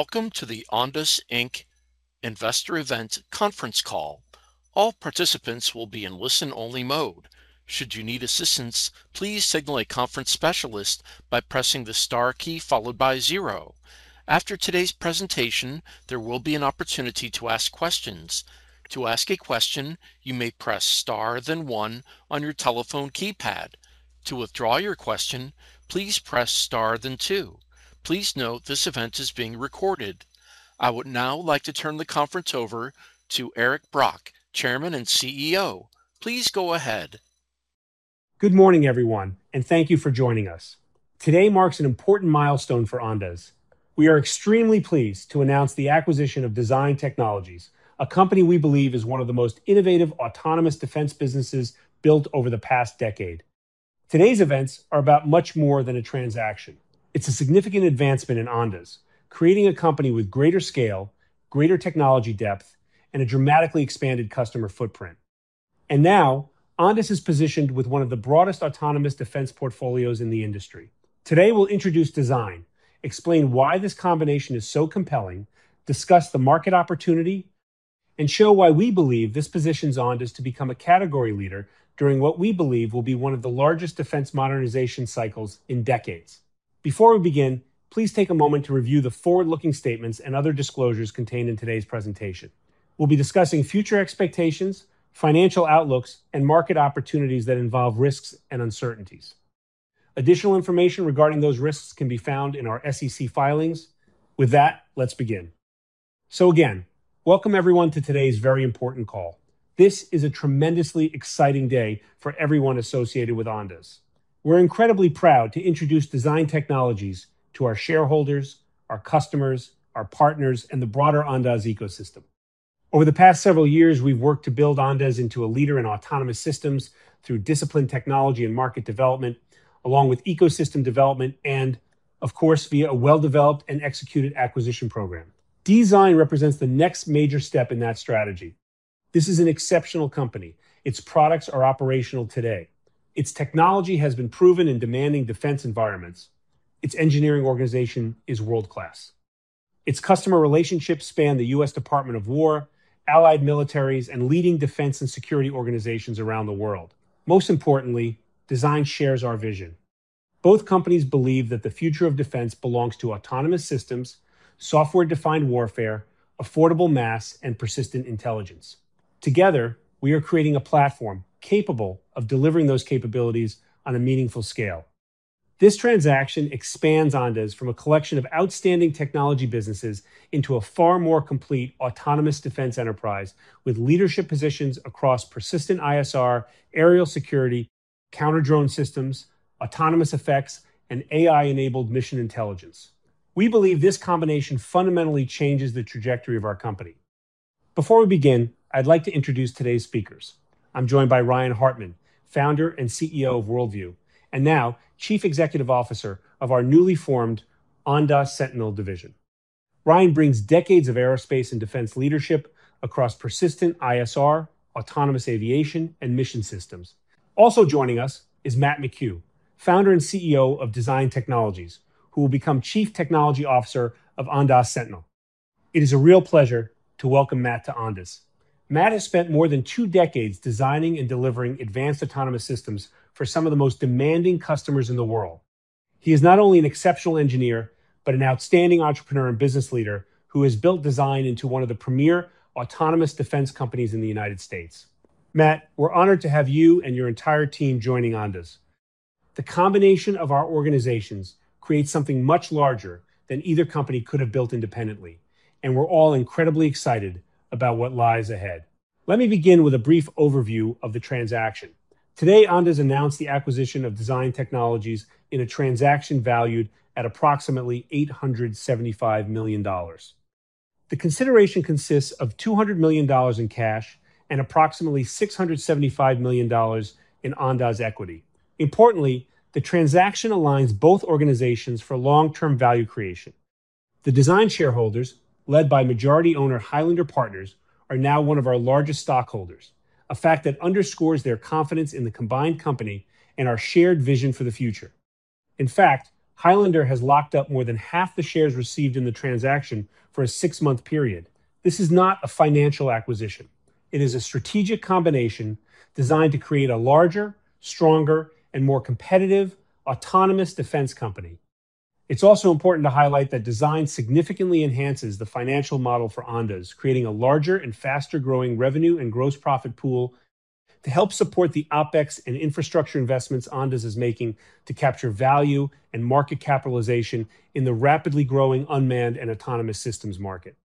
Welcome to the Ondas Inc. Investor Event Conference Call. All participants will be in listen-only mode. Should you need assistance, please signal a conference specialist by pressing the star key followed by zero. After today's presentation, there will be an opportunity to ask questions. To ask a question, you may press star then one on your telephone keypad. To withdraw your question, please press star then two. Please note this event is being recorded. I would now like to turn the conference over to Eric Brock, Chairman and CEO. Please go ahead. Good morning, everyone, and thank you for joining us. Today marks an important milestone for Ondas. We are extremely pleased to announce the acquisition of DZYNE Technologies, a company we believe is one of the most innovative autonomous defense businesses built over the past decade. Today's events are about much more than a transaction. It's a significant advancement in Ondas, creating a company with greater scale, greater technology depth, and a dramatically expanded customer footprint. Now Ondas is positioned with one of the broadest autonomous defense portfolios in the industry. Today, we'll introduce DZYNE, explain why this combination is so compelling, discuss the market opportunity, and show why we believe this positions Ondas to become a category leader during what we believe will be one of the largest defense modernization cycles in decades. Before we begin, please take a moment to review the forward-looking statements and other disclosures contained in today's presentation. We'll be discussing future expectations, financial outlooks, and market opportunities that involve risks and uncertainties. Additional information regarding those risks can be found in our SEC filings. With that, let's begin. Again, welcome everyone to today's very important call. This is a tremendously exciting day for everyone associated with Ondas. We're incredibly proud to introduce DZYNE Technologies to our shareholders, our customers, our partners, and the broader Ondas's ecosystem. Over the past several years, we've worked to build Ondas into a leader in autonomous systems through disciplined technology and market development, along with ecosystem development, of course, via a well-developed and executed acquisition program. DZYNE represents the next major step in that strategy. This is an exceptional company. Its products are operational today. Its technology has been proven in demanding defense environments. Its engineering organization is world-class. Its customer relationships span the US Department of War, allied militaries, and leading defense and security organizations around the world. Most importantly, DZYNE shares our vision. Both companies believe that the future of defense belongs to autonomous systems, software-defined warfare, affordable mass, and persistent intelligence. Together, we are creating a platform capable of delivering those capabilities on a meaningful scale. This transaction expands Ondas from a collection of outstanding technology businesses into a far more complete autonomous defense enterprise with leadership positions across persistent ISR, aerial security, counter-drone systems, autonomous effects, and AI-enabled mission intelligence. We believe this combination fundamentally changes the trajectory of our company. Before we begin, I'd like to introduce today's speakers. I'm joined by Ryan Hartman, founder and CEO of World View, and now Chief Executive Officer of our newly formed Ondas Sentinel division. Ryan brings decades of aerospace and defense leadership across persistent ISR, autonomous aviation, and mission systems. Also joining us is Matt McCue, founder and CEO of DZYNE Technologies, who will become Chief Technology Officer of Ondas Sentinel. It is a real pleasure to welcome Matt to Ondas. Matt has spent more than two decades designing and delivering advanced autonomous systems for some of the most demanding customers in the world. He is not only an exceptional engineer, but an outstanding entrepreneur and business leader who has built DZYNE into one of the premier autonomous defense companies in the United States. Matt, we're honored to have you and your entire team joining Ondas. The combination of our organizations creates something much larger than either company could have built independently, and we're all incredibly excited about what lies ahead. Let me begin with a brief overview of the transaction. Today, Ondas announced the acquisition of DZYNE Technologies in a transaction valued at approximately $875 million. The consideration consists of $200 million in cash and approximately $675 million in Ondas's equity. Importantly, the transaction aligns both organizations for long-term value creation. The DZYNE shareholders, led by majority owner Highlander Partners, are now one of our largest stockholders, a fact that underscores their confidence in the combined company and our shared vision for the future. In fact, Highlander has locked up more than half the shares received in the transaction for a six-month period. This is not a financial acquisition. It is a strategic combination designed to create a larger, stronger, and more competitive autonomous defense company. It's also important to highlight that DZYNE significantly enhances the financial model for Ondas, creating a larger and faster-growing revenue and gross profit pool to help support the OpEx and infrastructure investments Ondas is making to capture value and market capitalization in the rapidly growing unmanned and autonomous systems market.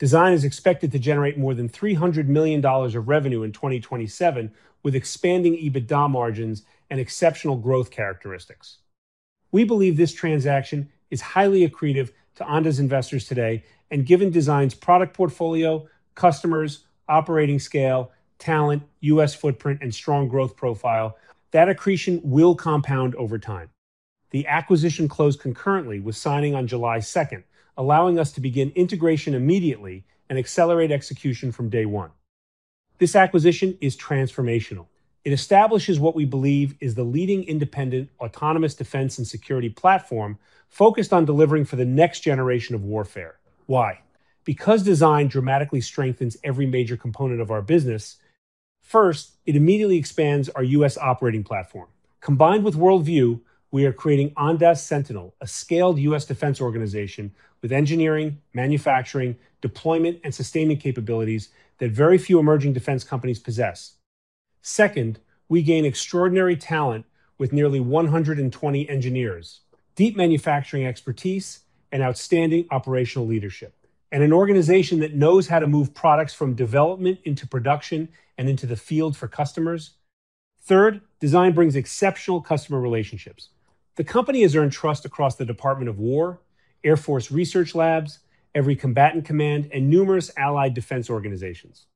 DZYNE is expected to generate more than $300 million of revenue in 2027, with expanding EBITDA margins and exceptional growth characteristics. We believe this transaction is highly accretive to Ondas's investors today, and given DZYNE's product portfolio, customers, operating scale, talent, U.S. footprint, and strong growth profile, that accretion will compound over time. The acquisition closed concurrently with signing on July 2nd, allowing us to begin integration immediately and accelerate execution from day one. This acquisition is transformational. It establishes what we believe is the leading independent autonomous defense and security platform focused on delivering for the next generation of warfare. Why? Because DZYNE dramatically strengthens every major component of our business. First, it immediately expands our U.S. operating platform. Combined with World View, we are creating Ondas Sentinel, a scaled U.S. defense organization with engineering, manufacturing, deployment, and sustaining capabilities that very few emerging defense companies possess. Second, we gain extraordinary talent with nearly 120 engineers, deep manufacturing expertise, and outstanding operational leadership, and an organization that knows how to move products from development into production and into the field for customers. Third, DZYNE brings exceptional customer relationships. The company has earned trust across the Department of War, Air Force Research Labs, every combatant command, and numerous allied defense organizations.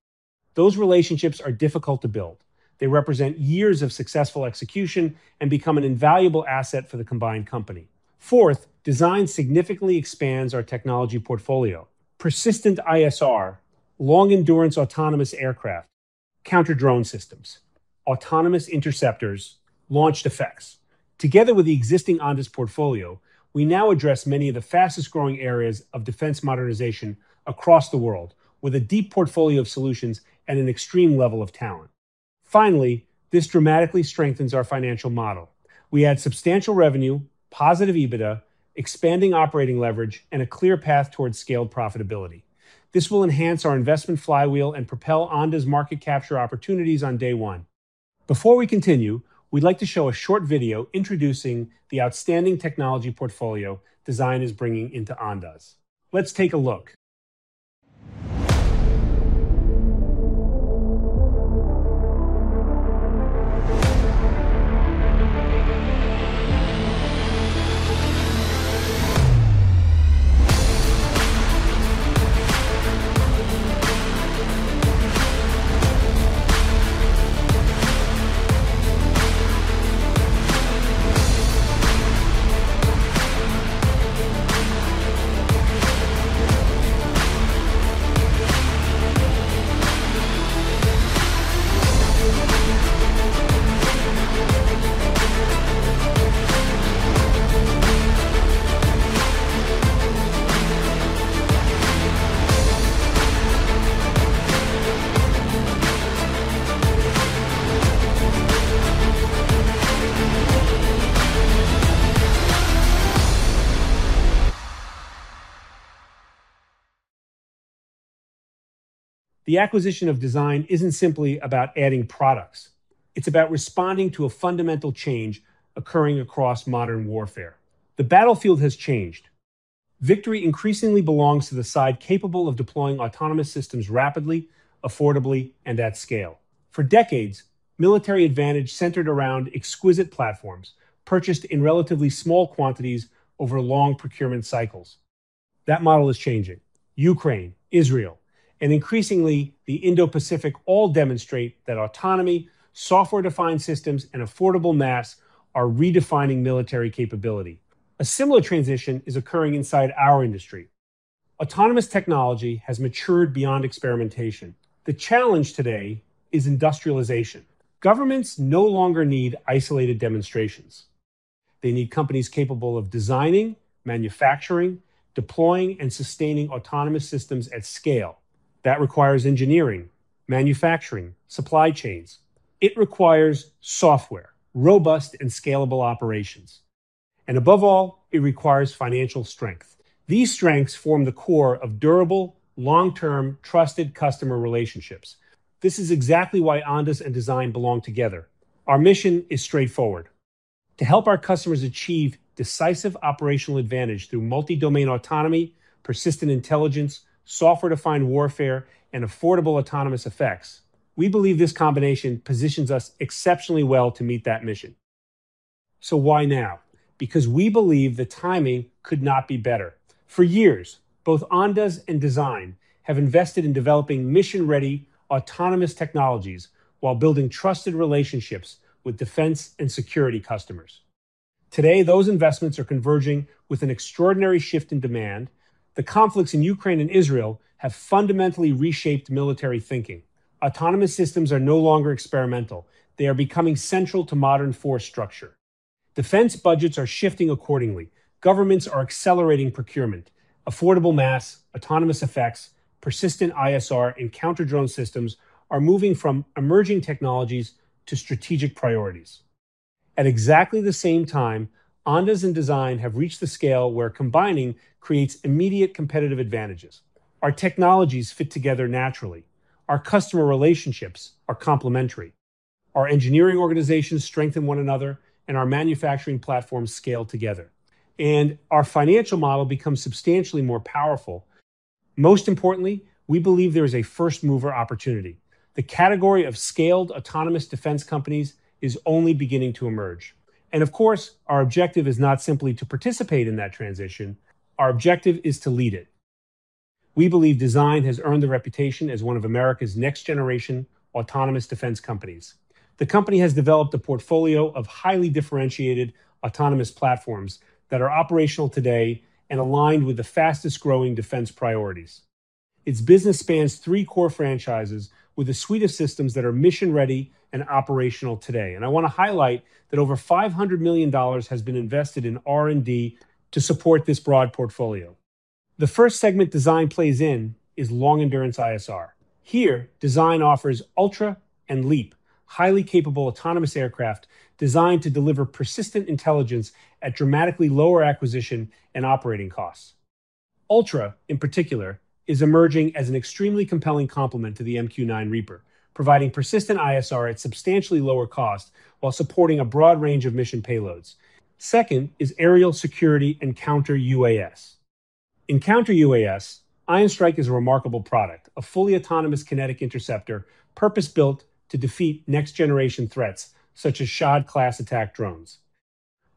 Those relationships are difficult to build. They represent years of successful execution and become an invaluable asset for the combined company. Fourth, DZYNE significantly expands our technology portfolio. Persistent ISR, long-endurance autonomous aircraft, counter-drone systems, autonomous interceptors, launched effects. Together with the existing Ondas portfolio, we now address many of the fastest-growing areas of defense modernization across the world with a deep portfolio of solutions and an extreme level of talent. Finally, this dramatically strengthens our financial model. We add substantial revenue, positive EBITDA, expanding operating leverage, and a clear path towards scaled profitability. This will enhance our investment flywheel and propel Ondas market capture opportunities on day one. Before we continue, we'd like to show a short video introducing the outstanding technology portfolio DZYNE is bringing into Ondas. Let's take a look. The acquisition of DZYNE isn't simply about adding products. It's about responding to a fundamental change occurring across modern warfare. The battlefield has changed. Victory increasingly belongs to the side capable of deploying autonomous systems rapidly, affordably, and at scale. For decades, military advantage centered around exquisite platforms purchased in relatively small quantities over long procurement cycles. That model is changing. Ukraine, Israel, and increasingly, the Indo-Pacific all demonstrate that autonomy, software-defined systems, and affordable mass are redefining military capability. A similar transition is occurring inside our industry. Autonomous technology has matured beyond experimentation. The challenge today is industrialization. Governments no longer need isolated demonstrations. They need companies capable of designing, manufacturing, deploying, and sustaining autonomous systems at scale. That requires engineering, manufacturing, supply chains. It requires software, robust and scalable operations, and above all, it requires financial strength. These strengths form the core of durable, long-term, trusted customer relationships. This is exactly why Ondas and DZYNE belong together. Our mission is straightforward: to help our customers achieve decisive operational advantage through multi-domain autonomy, persistent intelligence, software-defined warfare, and affordable autonomous effects. We believe this combination positions us exceptionally well to meet that mission. Why now? Because we believe the timing could not be better. For years, both Ondas and DZYNE have invested in developing mission-ready autonomous technologies while building trusted relationships with defense and security customers. Today, those investments are converging with an extraordinary shift in demand. The conflicts in Ukraine and Israel have fundamentally reshaped military thinking. Autonomous systems are no longer experimental. They are becoming central to modern force structure. Defense budgets are shifting accordingly. Governments are accelerating procurement. Affordable mass, autonomous effects, persistent ISR, and counter-drone systems are moving from emerging technologies to strategic priorities. At exactly the same time, Ondas and DZYNE have reached the scale where combining creates immediate competitive advantages. Our technologies fit together naturally. Our customer relationships are complementary. Our engineering organizations strengthen one another. Our manufacturing platforms scale together. Our financial model becomes substantially more powerful. Most importantly, we believe there is a first-mover opportunity. The category of scaled autonomous defense companies is only beginning to emerge. Of course, our objective is not simply to participate in that transition. Our objective is to lead it. We believe DZYNE has earned the reputation as one of America's next-generation autonomous defense companies. The company has developed a portfolio of highly differentiated autonomous platforms that are operational today and aligned with the fastest-growing defense priorities. Its business spans three core franchises with a suite of systems that are mission-ready and operational today. I want to highlight that over $500 million has been invested in R&D to support this broad portfolio. The first segment DZYNE plays in is long-endurance ISR. Here, DZYNE offers Ultra and LEAP, highly capable autonomous aircraft designed to deliver persistent intelligence at dramatically lower acquisition and operating costs. Ultra, in particular, is emerging as an extremely compelling complement to the MQ-9 Reaper, providing persistent ISR at substantially lower cost while supporting a broad range of mission payloads. Second is aerial security and counter-UAS. In counter-UAS, IonStrike is a remarkable product, a fully autonomous kinetic interceptor purpose-built to defeat next-generation threats such as Shahed class attack drones.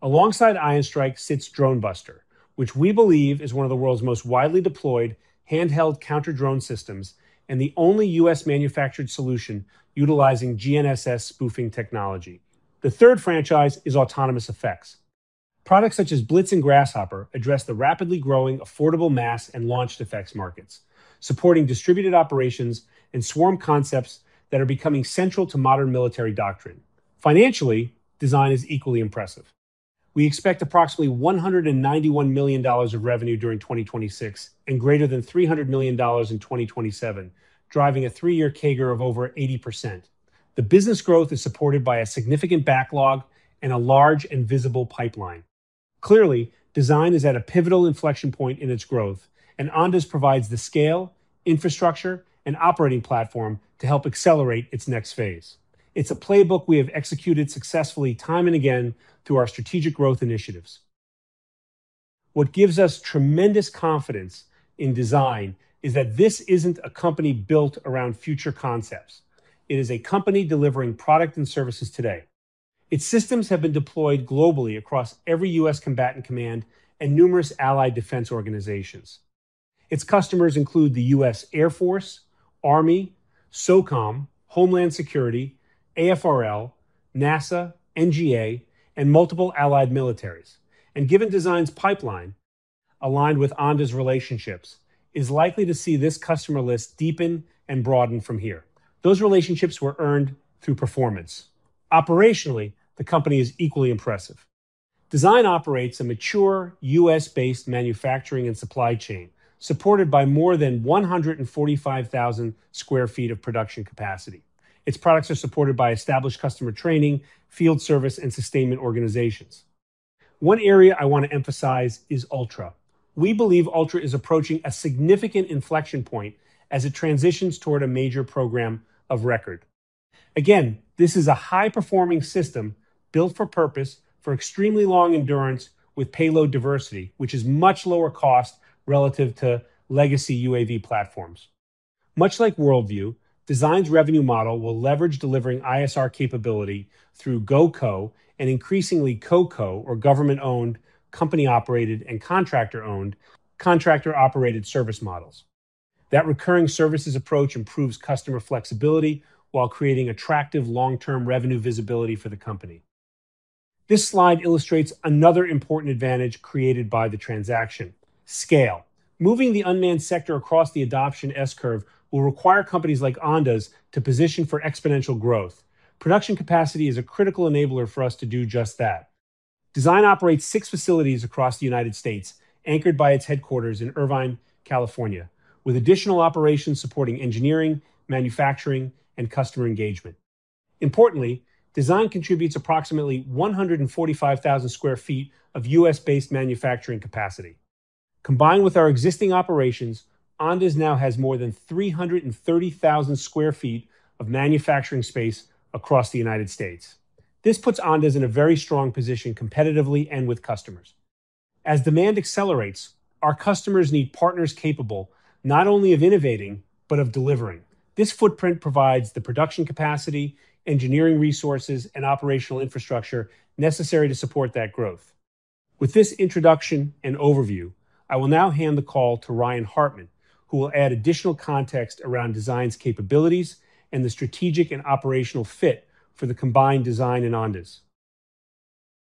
Alongside IonStrike sits Dronebuster, which we believe is one of the world's most widely deployed handheld counter-drone systems and the only U.S.-manufactured solution utilizing GNSS spoofing technology. The third franchise is autonomous effects. Products such as Blitz and Grasshopper address the rapidly growing affordable mass and launched effects markets, supporting distributed operations and swarm concepts that are becoming central to modern military doctrine. Financially, DZYNE is equally impressive. We expect approximately $191 million of revenue during 2026 and greater than $300 million in 2027, driving a three-year CAGR of over 80%. The business growth is supported by a significant backlog and a large and visible pipeline. Clearly, DZYNE is at a pivotal inflection point in its growth, and Ondas provides the scale, infrastructure, and operating platform to help accelerate its next phase. It's a playbook we have executed successfully time and again through our strategic growth initiatives. What gives us tremendous confidence in DZYNE is that this isn't a company built around future concepts. It is a company delivering product and services today. Its systems have been deployed globally across every U.S. combatant command and numerous allied defense organizations. Its customers include the U.S. Air Force, Army, SOCOM, Homeland Security, AFRL, NASA, NGA, and multiple allied militaries. Given DZYNE's pipeline aligned with Ondas relationships, is likely to see this customer list deepen and broaden from here. Those relationships were earned through performance. Operationally, the company is equally impressive. DZYNE operates a mature U.S.-based manufacturing and supply chain, supported by more than 145,000 sq ft of production capacity. Its products are supported by established customer training, field service, and sustainment organizations. One area I want to emphasize is Ultra. We believe Ultra is approaching a significant inflection point as it transitions toward a major program of record. Again, this is a high-performing system built for purpose for extremely long endurance with payload diversity, which is much lower cost relative to legacy UAV platforms. Much like World View, DZYNE's revenue model will leverage delivering ISR capability through GOCO and increasingly COCO or government-owned, company-operated, and contractor-owned, contractor-operated service models. That recurring services approach improves customer flexibility while creating attractive long-term revenue visibility for the company. This slide illustrates another important advantage created by the transaction, scale. Moving the unmanned sector across the adoption S-curve will require companies like Ondas to position for exponential growth. Production capacity is a critical enabler for us to do just that. DZYNE operates six facilities across the United States, anchored by its headquarters in Irvine, California, with additional operations supporting engineering, manufacturing, and customer engagement. Importantly, DZYNE contributes approximately 145,000 square feet of U.S.-based manufacturing capacity. Combined with our existing operations, Ondas now has more than 330,000 sq ft of manufacturing space across the United States. This puts Ondas in a very strong position competitively and with customers. As demand accelerates, our customers need partners capable not only of innovating but of delivering. This footprint provides the production capacity, engineering resources, and operational infrastructure necessary to support that growth. With this introduction and overview, I will now hand the call to Ryan Hartman, who will add additional context around DZYNE's capabilities and the strategic and operational fit for the combined DZYNE and Ondas.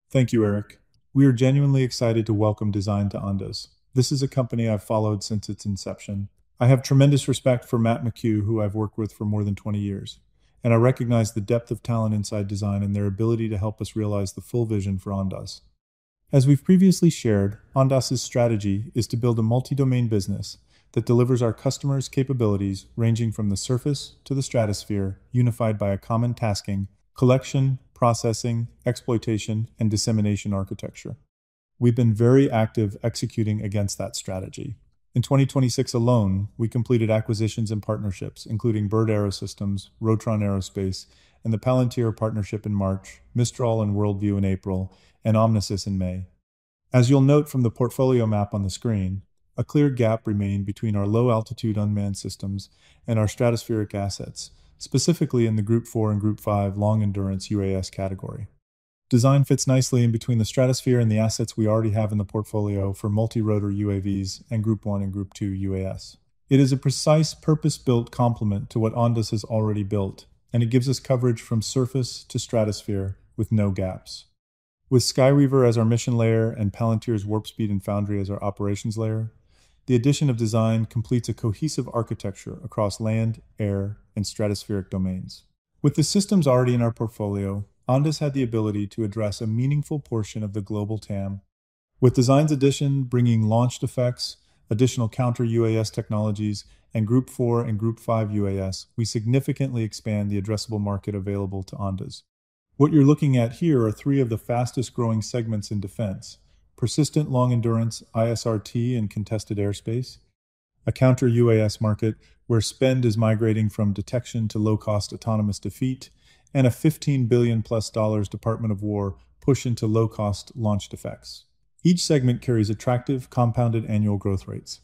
Thank you, Eric. We are genuinely excited to welcome DZYNE to Ondas. This is a company I've followed since its inception. I have tremendous respect for Matt McCue, who I've worked with for more than 20 years, and I recognize the depth of talent inside DZYNE and their ability to help us realize the full vision for Ondas. As we've previously shared, Ondas' strategy is to build a multi-domain business that delivers our customers capabilities ranging from the surface to the stratosphere, unified by a common tasking, collection, processing, exploitation, and dissemination architecture. We've been very active executing against that strategy. In 2026 alone, we completed acquisitions and partnerships including BIRD Aerosystems, Rotron Aerospace, and the Palantir partnership in March, Mistral and World View in April, and Omnisys in May. As you'll note from the portfolio map on the screen, a clear gap remained between our low-altitude unmanned systems and our stratospheric assets, specifically in the Group 4 and Group 5 long-endurance UAS category. DZYNE fits nicely in between the stratosphere and the assets we already have in the portfolio for multi-rotor UAVs and Group 1 and Group 2 UAS. It is a precise purpose-built complement to what Ondas has already built, and it gives us coverage from surface to stratosphere with no gaps. With SkyWeaver as our mission layer and Palantir's Warp Speed and Foundry as our operations layer, the addition of DZYNE completes a cohesive architecture across land, air, and stratospheric domains. With the systems already in our portfolio, Ondas had the ability to address a meaningful portion of the global TAM. With DZYNE's addition bringing launched effects, additional counter-UAS technologies, and Group 4 and Group 5 UAS, we significantly expand the addressable market available to Ondas. What you're looking at here are three of the fastest-growing segments in defense. Persistent long-endurance ISR&T in contested airspace, a counter-UAS market where spend is migrating from detection to low-cost autonomous defeat, and a $15 billion+ Department of War push into low-cost launched effects. Each segment carries attractive compounded annual growth rates.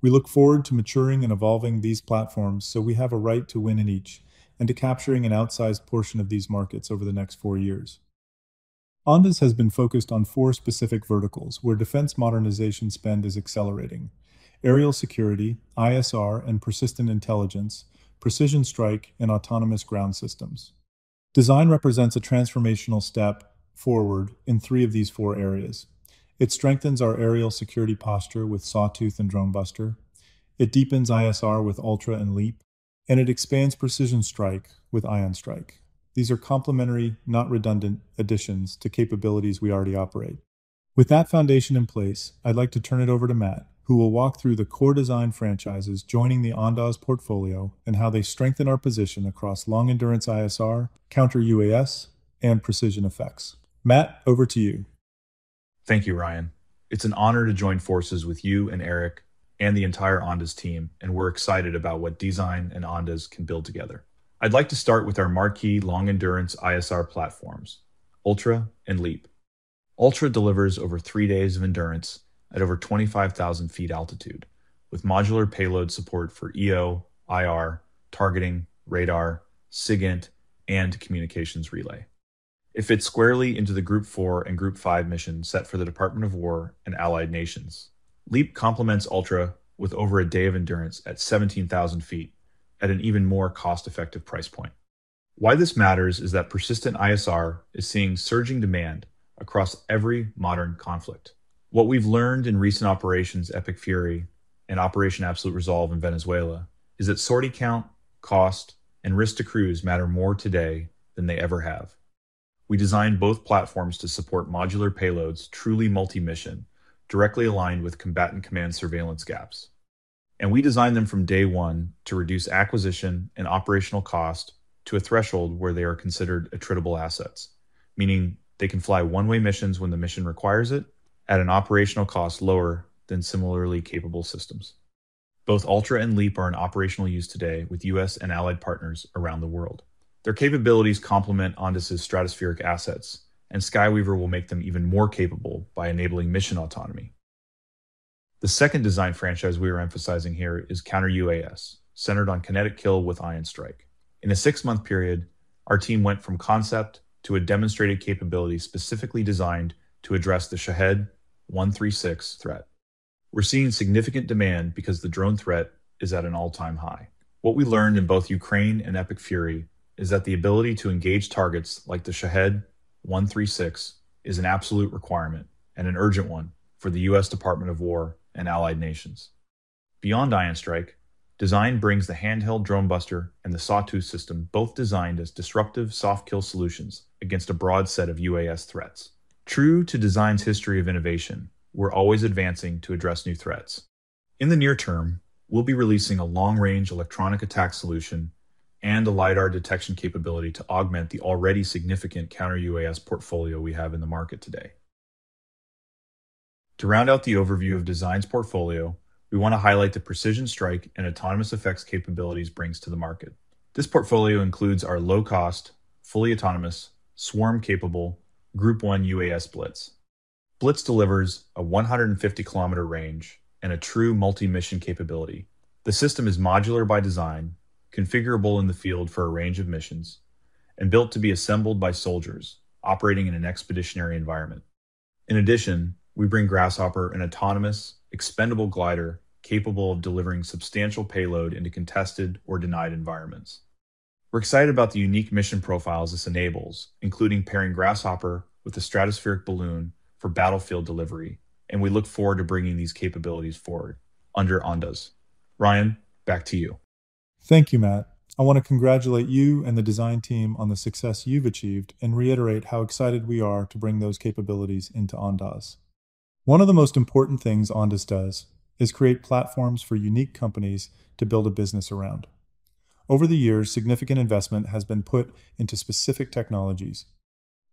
We look forward to maturing and evolving these platforms so we have a right to win in each and to capturing an outsized portion of these markets over the next four years. Ondas has been focused on four specific verticals where defense modernization spend is accelerating. Aerial security, ISR and persistent intelligence, precision strike, and autonomous ground systems. DZYNE represents a transformational step forward in three of these four areas. It strengthens our aerial security posture with Sawtooth and Dronebuster. It deepens ISR with Ultra and LEAP, and it expands precision strike with IonStrike. These are complementary, not redundant, additions to capabilities we already operate. With that foundation in place, I'd like to turn it over to Matt, who will walk through the core DZYNE franchises joining the Ondas portfolio and how they strengthen our position across long-endurance ISR, counter-UAS, and precision effects. Matt, over to you. Thank you, Ryan. It's an honor to join forces with you and Eric and the entire Ondas team. We're excited about what DZYNE and Ondas can build together. I'd like to start with our marquee long-endurance ISR platforms, Ultra and LEAP. Ultra delivers over three days of endurance at over 25,000 ft altitude with modular payload support for EO, IR, targeting, radar, SIGINT, and communications relay. It fits squarely into the Group 4 and Group 5 mission set for the Department of War and allied nations. LEAP complements Ultra with over a day of endurance at 17,000 ft at an even more cost-effective price point. Why this matters is that persistent ISR is seeing surging demand across every modern conflict. What we've learned in recent Operation Epic Fury and Operation Absolute Resolve in Venezuela is that sortie count, cost, and risk to crews matter more today than they ever have. We designed both platforms to support modular payloads, truly multi-mission, directly aligned with combatant command surveillance gaps. We designed them from day one to reduce acquisition and operational cost to a threshold where they are considered attritable assets, meaning they can fly one-way missions when the mission requires it at an operational cost lower than similarly capable systems. Both Ultra and LEAP are in operational use today with U.S. and allied partners around the world. Their capabilities complement Ondas' stratospheric assets, and SkyWeaver will make them even more capable by enabling mission autonomy. The second DZYNE franchise we are emphasizing here is counter-UAS, centered on kinetic kill with IonStrike. In a six-month period, our team went from concept to a demonstrated capability specifically designed to address the Shahed-136 threat. We're seeing significant demand because the drone threat is at an all-time high. What we learned in both Ukraine and Operation Epic Fury is that the ability to engage targets like the Shahed-136 is an absolute requirement and an urgent one for the U.S. Department of War and allied nations. Beyond IonStrike, DZYNE brings the handheld Dronebuster and the Sawtooth system, both designed as disruptive soft kill solutions against a broad set of UAS threats. True to DZYNE's history of innovation, we're always advancing to address new threats. In the near term, we'll be releasing a long-range electronic attack solution and a lidar detection capability to augment the already significant counter-UAS portfolio we have in the market today. To round out the overview of DZYNE's portfolio, we want to highlight the precision strike and autonomous effects capabilities it brings to the market. This portfolio includes our low-cost, fully autonomous, swarm-capable Group 1 UAS Blitz. Blitz delivers a 150 km range and a true multi-mission capability. The system is modular by design, configurable in the field for a range of missions, and built to be assembled by soldiers operating in an expeditionary environment. In addition, we bring Grasshopper, an autonomous, expendable glider capable of delivering substantial payload into contested or denied environments. We're excited about the unique mission profiles this enables, including pairing Grasshopper with a stratospheric balloon for battlefield delivery, and we look forward to bringing these capabilities forward under Ondas. Ryan, back to you. Thank you, Matt. I want to congratulate you and the DZYNE team on the success you've achieved and reiterate how excited we are to bring those capabilities into Ondas. One of the most important things Ondas does is create platforms for unique companies to build a business around. Over the years, significant investment has been put into specific technologies.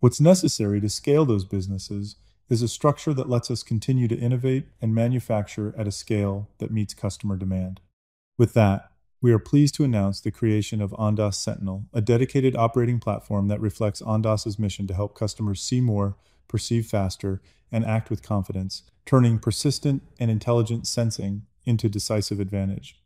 What's necessary to scale those businesses is a structure that lets us continue to innovate and manufacture at a scale that meets customer demand. With that, we are pleased to announce the creation of Ondas Sentinel, a dedicated operating platform that reflects Ondas' mission to help customers see more, perceive faster, and act with confidence, turning persistent and intelligent sensing into decisive advantage.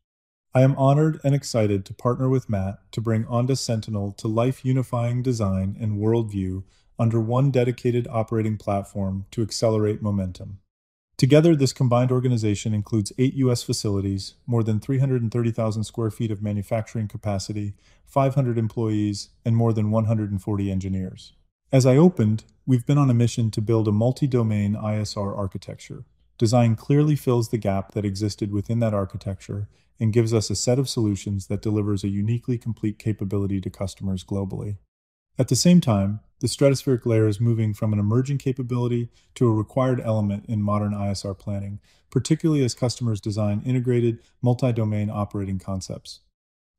I am honored and excited to partner with Matt to bring Ondas Sentinel to life unifying DZYNE and World View under one dedicated operating platform to accelerate momentum. Together, this combined organization includes eight U.S. facilities, more than 330,000 sq ft of manufacturing capacity, 500 employees, and more than 140 engineers. As I opened, we've been on a mission to build a multi-domain ISR architecture. DZYNE clearly fills the gap that existed within that architecture and gives us a set of solutions that delivers a uniquely complete capability to customers globally. At the same time, the stratospheric layer is moving from an emerging capability to a required element in modern ISR planning, particularly as customers design integrated multi-domain operating concepts.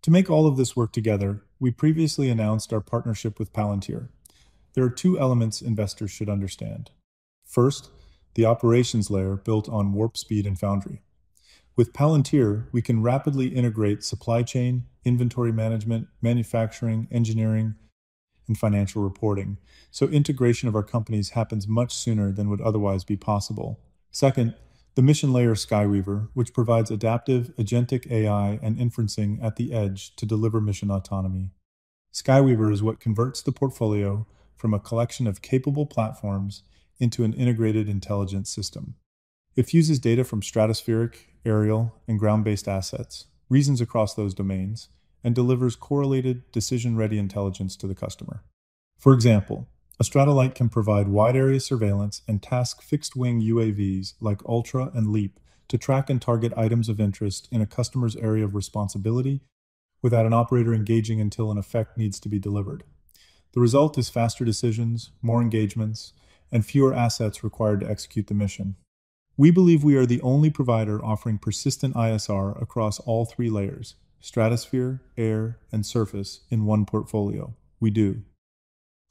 To make all of this work together, we previously announced our partnership with Palantir. There are two elements investors should understand. First, the operations layer built on Warp Speed and Foundry. With Palantir, we can rapidly integrate supply chain, inventory management, manufacturing, engineering, and financial reporting. Integration of our companies happens much sooner than would otherwise be possible. Second, the mission layer, SkyWeaver, which provides adaptive agentic AI and inferencing at the edge to deliver mission autonomy. SkyWeaver is what converts the portfolio from a collection of capable platforms into an integrated intelligence system. It fuses data from stratospheric, aerial, and ground-based assets, reasons across those domains, and delivers correlated decision-ready intelligence to the customer. For example, a Stratollite can provide wide area surveillance and task fixed-wing UAVs like Ultra and LEAP to track and target items of interest in a customer's area of responsibility without an operator engaging until an effect needs to be delivered. The result is faster decisions, more engagements, and fewer assets required to execute the mission. We believe we are the only provider offering persistent ISR across all three layers: stratosphere, air, and surface in one portfolio. We do.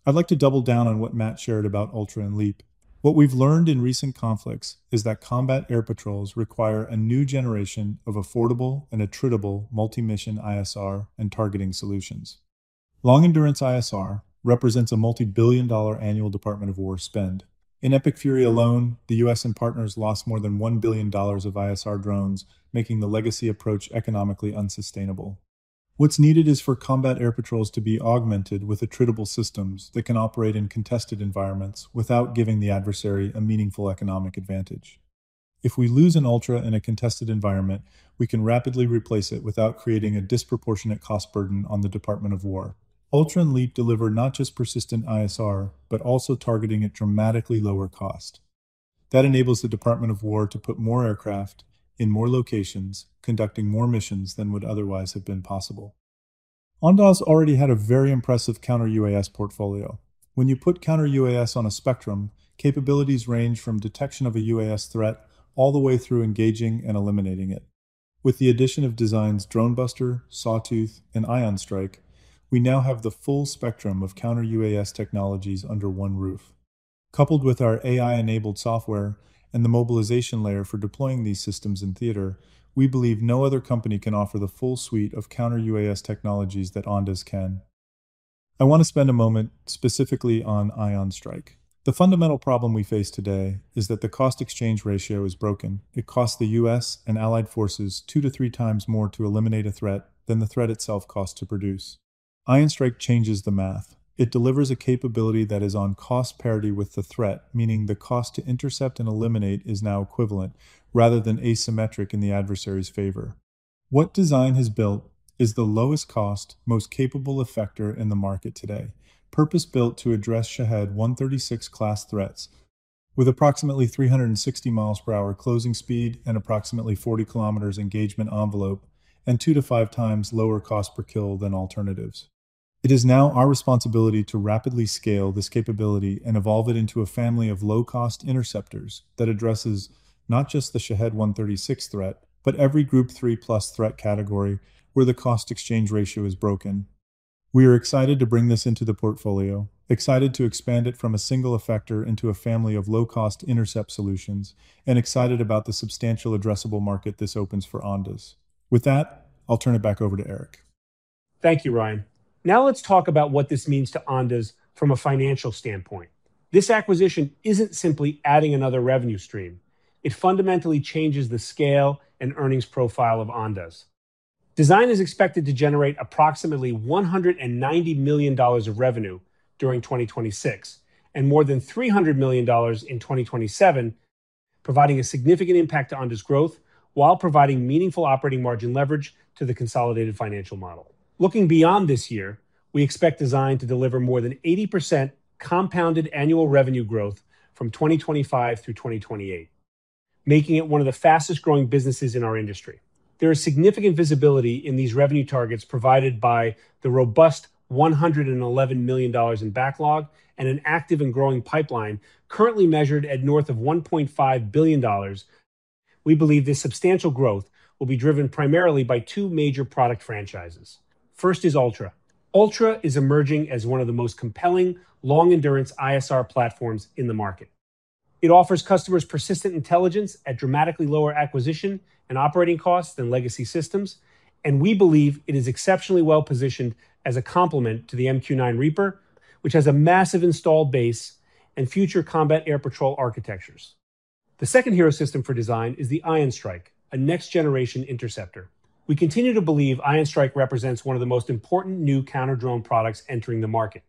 I'd like to double down on what Matt shared about Ultra and LEAP. What we've learned in recent conflicts is that combat air patrols require a new generation of affordable and attritable multi-mission ISR and targeting solutions. Long-endurance ISR represents a multi-billion dollar annual Department of War spend. In Epic Fury alone, the U.S. and partners lost more than $1 billion of ISR drones, making the legacy approach economically unsustainable. What's needed is for combat air patrols to be augmented with attritable systems that can operate in contested environments without giving the adversary a meaningful economic advantage. If we lose an Ultra in a contested environment, we can rapidly replace it without creating a disproportionate cost burden on the Department of War. Ultra and LEAP deliver not just persistent ISR, but also targeting a dramatically lower cost. That enables the Department of War to put more aircraft in more locations, conducting more missions than would otherwise have been possible. Ondas already had a very impressive counter-UAS portfolio. When you put counter-UAS on a spectrum, capabilities range from detection of a UAS threat all the way through engaging and eliminating it. With the addition of DZYNE's Dronebuster, Sawtooth, and IonStrike, we now have the full spectrum of counter-UAS technologies under one roof. Coupled with our AI-enabled software and the mobilization layer for deploying these systems in theater, we believe no other company can offer the full suite of counter-UAS technologies that Ondas can. I want to spend a moment specifically on IonStrike. The fundamental problem we face today is that the cost exchange ratio is broken. It costs the U.S. and allied forces two to three times more to eliminate a threat than the threat itself costs to produce. IonStrike changes the math. It delivers a capability that is on cost parity with the threat, meaning the cost to intercept and eliminate is now equivalent rather than asymmetric in the adversary's favor. What DZYNE has built is the lowest cost, most capable effector in the market today. Purpose-built to address Shahed-136 class threats with approximately 360 mph closing speed and approximately 40 km engagement envelope, and two to five times lower cost per kill than alternatives. It is now our responsibility to rapidly scale this capability and evolve it into a family of low-cost interceptors that addresses not just the Shahed-136 threat, but every Group 3+ threat category where the cost exchange ratio is broken. We are excited to bring this into the portfolio, excited to expand it from a single effector into a family of low-cost intercept solutions, and excited about the substantial addressable market this opens for Ondas. With that, I'll turn it back over to Eric. Thank you, Ryan. Now let's talk about what this means to Ondas from a financial standpoint. This acquisition isn't simply adding another revenue stream. It fundamentally changes the scale and earnings profile of Ondas. DZYNE is expected to generate approximately $190 million of revenue during 2026, and more than $300 million in 2027, providing a significant impact to Ondas' growth while providing meaningful operating margin leverage to the consolidated financial model. Looking beyond this year, we expect DZYNE to deliver more than 80% compounded annual revenue growth from 2025 through 2028, making it one of the fastest-growing businesses in our industry. There is significant visibility in these revenue targets provided by the robust $111 million in backlog and an active and growing pipeline currently measured at north of $1.5 billion. We believe this substantial growth will be driven primarily by two major product franchises. First is Ultra. Ultra is emerging as one of the most compelling long-endurance ISR platforms in the market. It offers customers persistent intelligence at dramatically lower acquisition and operating costs than legacy systems, and we believe it is exceptionally well-positioned as a complement to the MQ-9 Reaper, which has a massive installed base and future combat air patrol architectures. The second hero system for DZYNE is the IonStrike, a next-generation interceptor. We continue to believe IonStrike represents one of the most important new counter-drone products entering the market.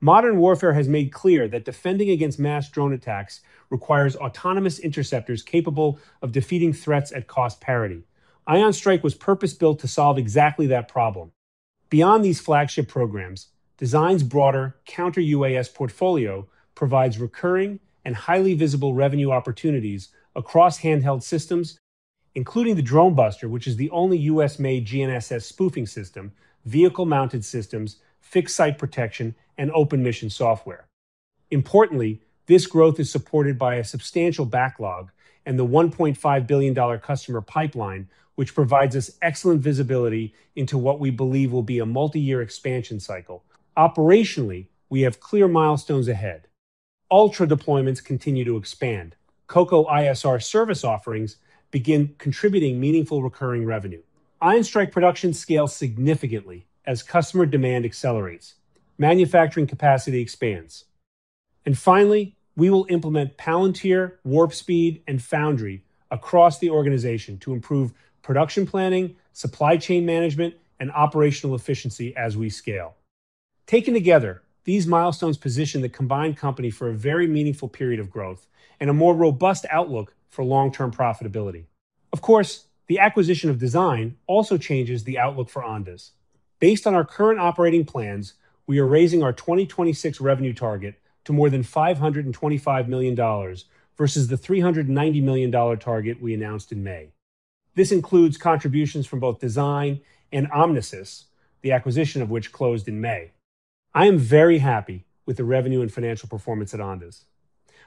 Modern warfare has made clear that defending against mass drone attacks requires autonomous interceptors capable of defeating threats at cost parity. IonStrike was purpose-built to solve exactly that problem. Beyond these flagship programs, DZYNE's broader counter-UAS portfolio provides recurring and highly visible revenue opportunities across handheld systems, including the Dronebuster, which is the only U.S.-made GNSS spoofing system, vehicle-mounted systems, fixed-site protection, and open mission software. Importantly, this growth is supported by a substantial backlog and the $1.5 billion customer pipeline, which provides us excellent visibility into what we believe will be a multiyear expansion cycle. Operationally, we have clear milestones ahead. ULTRA deployments continue to expand. COCO ISR service offerings begin contributing meaningful recurring revenue. IonStrike production scales significantly as customer demand accelerates. Manufacturing capacity expands. And finally, we will implement Palantir, Warp Speed, and Foundry across the organization to improve production planning, supply chain management, and operational efficiency as we scale. Taken together, these milestones position the combined company for a very meaningful period of growth and a more robust outlook for long-term profitability. Of course, the acquisition of DZYNE also changes the outlook for Ondas. Based on our current operating plans, we are raising our 2026 revenue target to more than $525 million versus the $390 million target we announced in May. This includes contributions from both DZYNE and Omnisys, the acquisition of which closed in May. I am very happy with the revenue and financial performance at Ondas.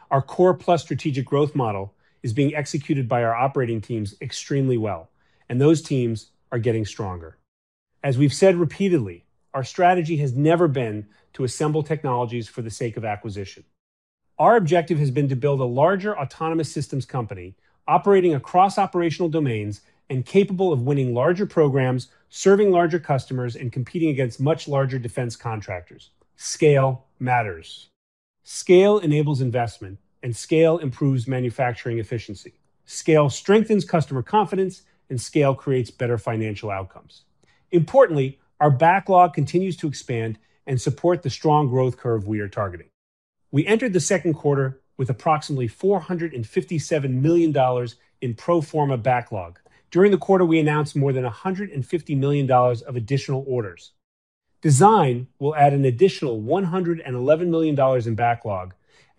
Our Core+ strategic growth model is being executed by our operating teams extremely well, and those teams are getting stronger. As we've said repeatedly, our strategy has never been to assemble technologies for the sake of acquisition. Our objective has been to build a larger autonomous systems company operating across operational domains and capable of winning larger programs, serving larger customers, and competing against much larger defense contractors. Scale matters. Scale enables investment, and scale improves manufacturing efficiency. Scale strengthens customer confidence. Scale creates better financial outcomes. Importantly, our backlog continues to expand and support the strong growth curve we are targeting. We entered the second quarter with approximately $457 million in pro forma backlog. During the quarter, we announced more than $150 million of additional orders. DZYNE will add an additional $111 million in backlog.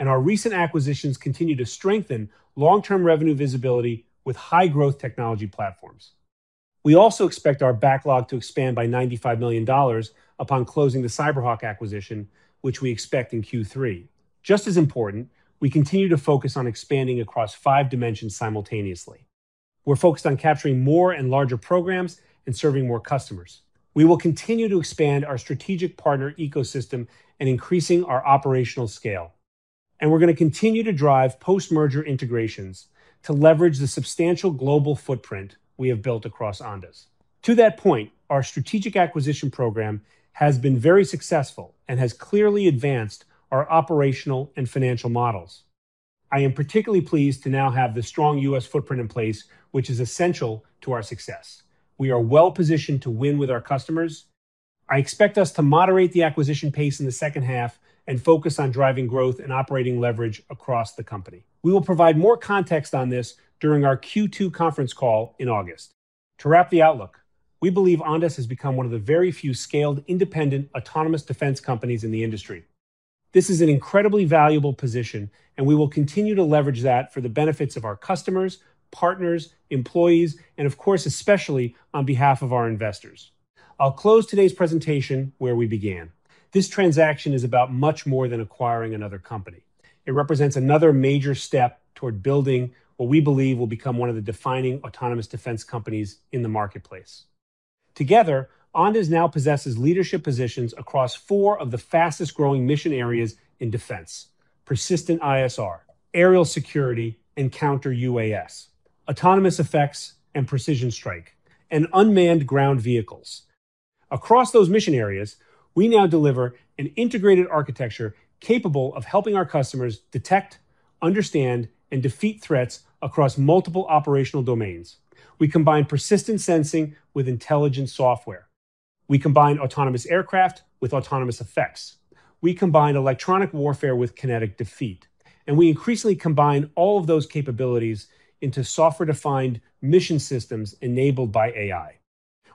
Our recent acquisitions continue to strengthen long-term revenue visibility with high-growth technology platforms. We also expect our backlog to expand by $95 million upon closing the Cyberhawk acquisition, which we expect in Q3. Just as important, we continue to focus on expanding across five dimensions simultaneously. We're focused on capturing more and larger programs and serving more customers. We will continue to expand our strategic partner ecosystem and increasing our operational scale. We're going to continue to drive post-merger integrations to leverage the substantial global footprint we have built across Ondas. To that point, our strategic acquisition program has been very successful. It has clearly advanced our operational and financial models. I am particularly pleased to now have the strong U.S. footprint in place, which is essential to our success. We are well-positioned to win with our customers. I expect us to moderate the acquisition pace in the second half and focus on driving growth and operating leverage across the company. We will provide more context on this during our Q2 conference call in August. To wrap the outlook, we believe Ondas has become one of the very few scaled, independent, autonomous defense companies in the industry. This is an incredibly valuable position. We will continue to leverage that for the benefits of our customers, partners, employees, and of course, especially on behalf of our investors. I'll close today's presentation where we began. This transaction is about much more than acquiring another company. It represents another major step toward building what we believe will become one of the defining autonomous defense companies in the marketplace. Together, Ondas now possesses leadership positions across four of the fastest-growing mission areas in defense: persistent ISR, aerial security, counter-UAS, autonomous effects and precision strike, and unmanned ground vehicles. Across those mission areas, we now deliver an integrated architecture capable of helping our customers detect, understand, and defeat threats across multiple operational domains. We combine persistent sensing with intelligent software. We combine autonomous aircraft with autonomous effects. We combine electronic warfare with kinetic defeat. We increasingly combine all of those capabilities into software-defined mission systems enabled by AI.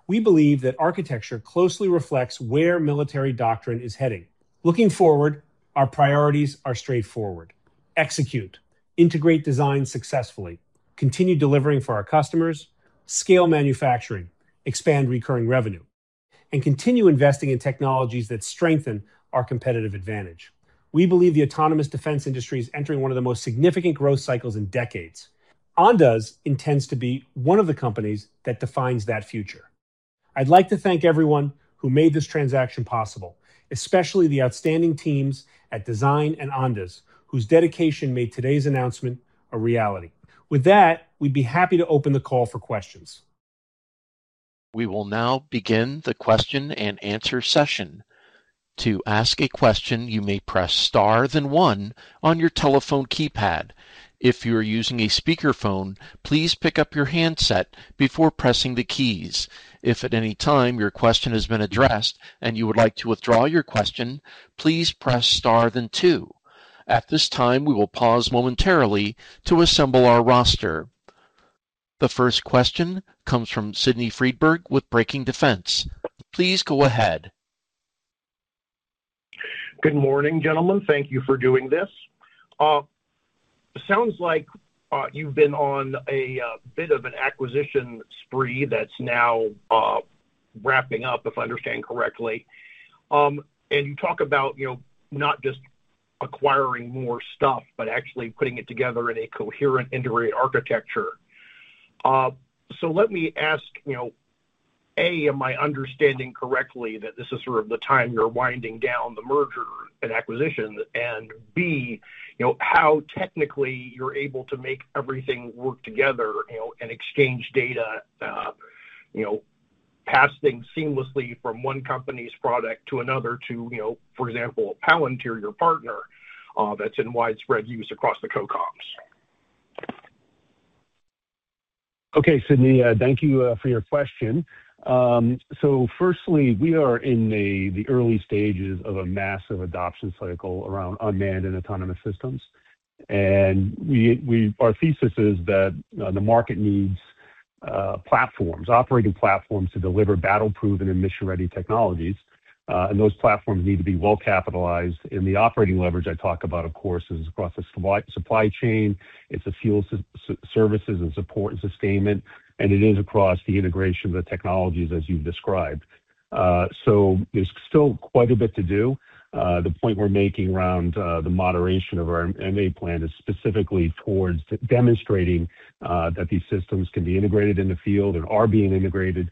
We believe that architecture closely reflects where military doctrine is heading. Looking forward, our priorities are straightforward: execute, integrate DZYNE successfully, continue delivering for our customers, scale manufacturing, expand recurring revenue, and continue investing in technologies that strengthen our competitive advantage. We believe the autonomous defense industry is entering one of the most significant growth cycles in decades. Ondas intends to be one of the companies that defines that future. I'd like to thank everyone who made this transaction possible, especially the outstanding teams at DZYNE and Ondas, whose dedication made today's announcement a reality. With that, we'd be happy to open the call for questions. We will now begin the question and answer session. To ask a question, you may press star then one on your telephone keypad. If you are using a speakerphone, please pick up your handset before pressing the keys. If at any time your question has been addressed and you would like to withdraw your question, please press star then two. At this time, we will pause momentarily to assemble our roster. The first question comes from Sydney Freedberg with Breaking Defense. Please go ahead. Good morning, gentlemen. Thank you for doing this. Sounds like you've been on a bit of an acquisition spree that's now wrapping up, if I understand correctly. You talk about, not just acquiring more stuff, but actually putting it together in a coherent, integrated architecture. Let me ask, A, am I understanding correctly that this is sort of the time you're winding down the merger and acquisition? B, how technically you're able to make everything work together, exchange data, pass things seamlessly from one company's product to another to, for example, Palantir, your partner, that's in widespread use across the COCOMs. Okay, Sydney, thank you for your question. Firstly, we are in the early stages of a massive adoption cycle around unmanned and autonomous systems. Our thesis is that the market needs platforms, operating platforms, to deliver battle-proven and mission-ready technologies. Those platforms need to be well-capitalized. The operating leverage I talk about, of course, is across the supply chain. It's the fuel services and support and sustainment, and it is across the integration of the technologies as you've described. There's still quite a bit to do. The point we're making around the moderation of our M&A plan is specifically towards demonstrating that these systems can be integrated in the field, and are being integrated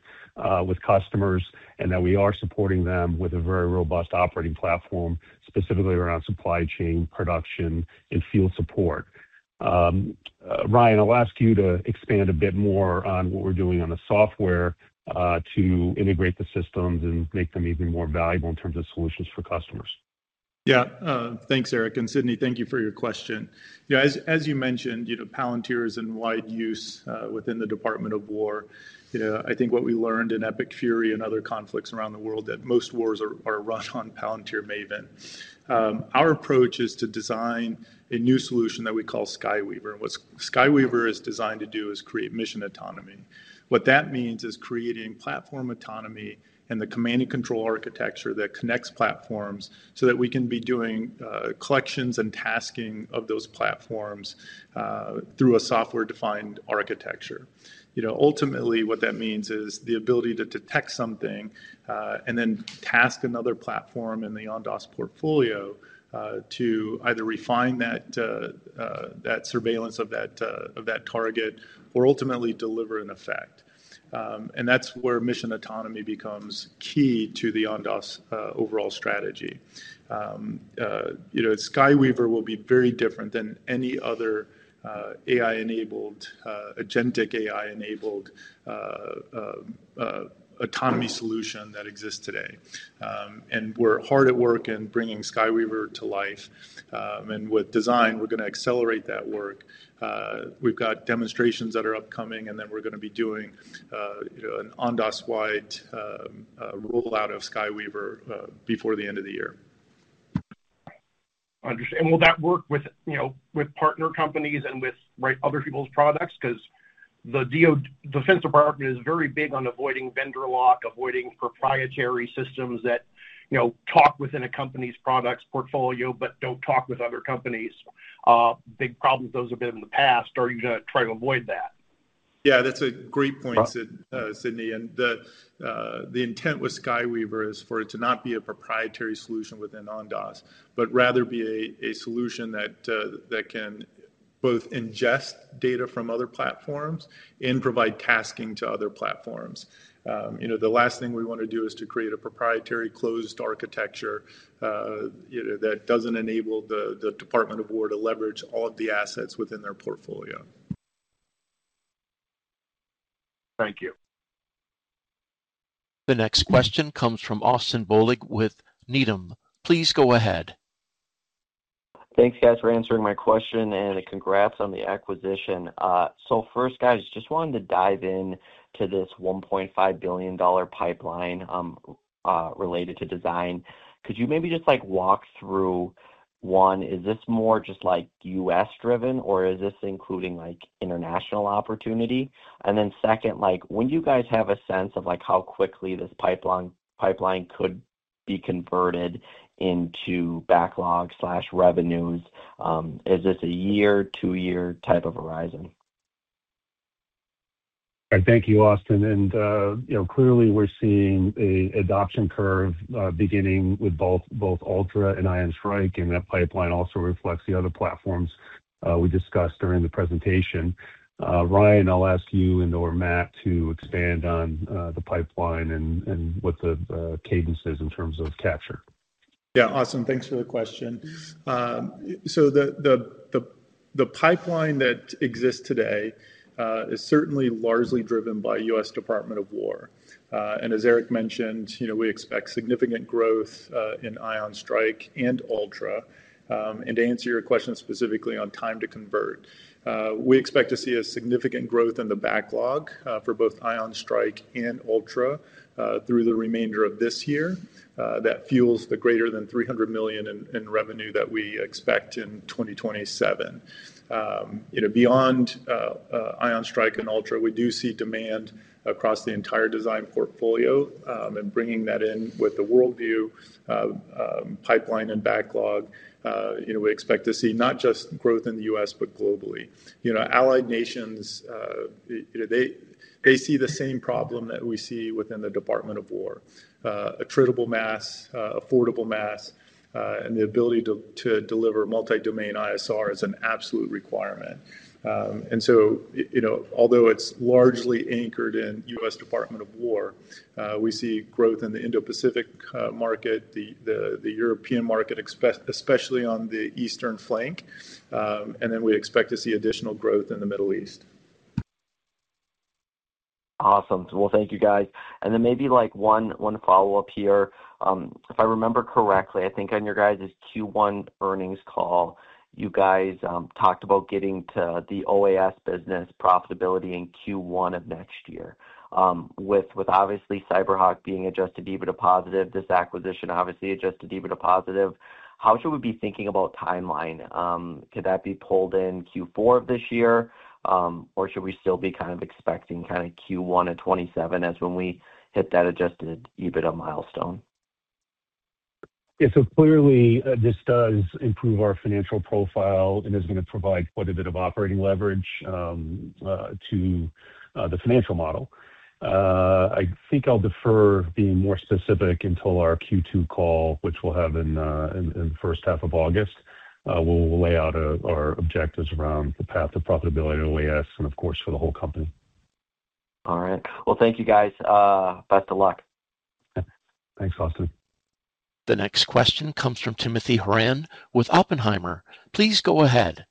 with customers, and that we are supporting them with a very robust operating platform, specifically around supply chain production and field support. Ryan, I'll ask you to expand a bit more on what we're doing on the software, to integrate the systems and make them even more valuable in terms of solutions for customers. Thanks, Eric. Sydney, thank you for your question. As you mentioned, Palantir is in wide use within the Department of War. I think what we learned in Operation Epic Fury and other conflicts around the world, that most wars are run on Palantir Maven. Our approach is to design a new solution that we call SkyWeaver. What SkyWeaver is designed to do is create mission autonomy. What that means is creating platform autonomy and the command and control architecture that connects platforms so that we can be doing collections and tasking of those platforms, through a software-defined architecture. Ultimately, what that means is the ability to detect something, then task another platform in the Ondas portfolio, to either refine that surveillance of that target or ultimately deliver an effect. That's where mission autonomy becomes key to the Ondas overall strategy. SkyWeaver will be very different than any other AI-enabled, agentic AI-enabled, autonomy solution that exists today. We're hard at work in bringing SkyWeaver to life. With DZYNE, we're going to accelerate that work. We've got demonstrations that are upcoming, then we're going to be doing an Ondas-wide rollout of SkyWeaver, before the end of the year. Understand. Will that work with partner companies and with other people's products? Because the Department of Defense is very big on avoiding vendor lock, avoiding proprietary systems that talk within a company's products portfolio but don't talk with other companies'. Big problems with those have been in the past. Are you going to try to avoid that? That's a great point, Sydney. The intent with SkyWeaver is for it to not be a proprietary solution within Ondas, but rather be a solution that can both ingest data from other platforms and provide tasking to other platforms. The last thing we want to do is to create a proprietary closed architecture that doesn't enable the Department of War to leverage all of the assets within their portfolio. Thank you. The next question comes from Austin Bohlig with Needham. Please go ahead. Thanks, guys, for answering my question, and congrats on the acquisition. First, guys, just wanted to dive into this $1.5 billion pipeline related to DZYNE. Could you maybe just walk through, one, is this more just U.S. driven, or is this including international opportunity? And then second, when do you guys have a sense of how quickly this pipeline could be converted into backlog/revenues? Is this a year, two-year type of horizon? Thank you, Austin. Clearly we're seeing an adoption curve beginning with both Ultra and IonStrike, and that pipeline also reflects the other platforms we discussed during the presentation. Ryan, I'll ask you and/or Matt to expand on the pipeline and what the cadence is in terms of capture. Yeah, awesome. Thanks for the question. The pipeline that exists today is certainly largely driven by US Department of War. As Eric mentioned, we expect significant growth in IonStrike and Ultra. To answer your question specifically on time to convert, we expect to see a significant growth in the backlog for both IonStrike and Ultra through the remainder of this year. That fuels the greater than $300 million in revenue that we expect in 2027. Beyond IonStrike and Ultra, we do see demand across the entire DZYNE portfolio, and bringing that in with the World View pipeline and backlog, we expect to see not just growth in the U.S. but globally. Allied nations, they see the same problem that we see within the Department of War. Attributable mass, affordable mass, and the ability to deliver multi-domain ISR is an absolute requirement. Although it's largely anchored in US Department of War, we see growth in the Indo-Pacific market, the European market, especially on the eastern flank, then we expect to see additional growth in the Middle East. Awesome. Well, thank you, guys. Maybe one follow-up here. If I remember correctly, I think on your guys' Q1 earnings call, you guys talked about getting to the OAS business profitability in Q1 of next year. With obviously Cyberhawk being adjusted EBITDA positive, this acquisition obviously adjusted EBITDA positive, how should we be thinking about timeline? Could that be pulled in Q4 of this year? Or should we still be kind of expecting Q1 of 2027 as when we hit that adjusted EBITDA milestone? Yeah, clearly, this does improve our financial profile and is going to provide quite a bit of operating leverage to the financial model. I think I'll defer being more specific until our Q2 call, which we'll have in the first half of August. We'll lay out our objectives around the path to profitability to OAS, and of course, for the whole company. All right. Well, thank you, guys. Best of luck. Thanks, Austin. The next question comes from Timothy Horan with Oppenheimer. Please go ahead.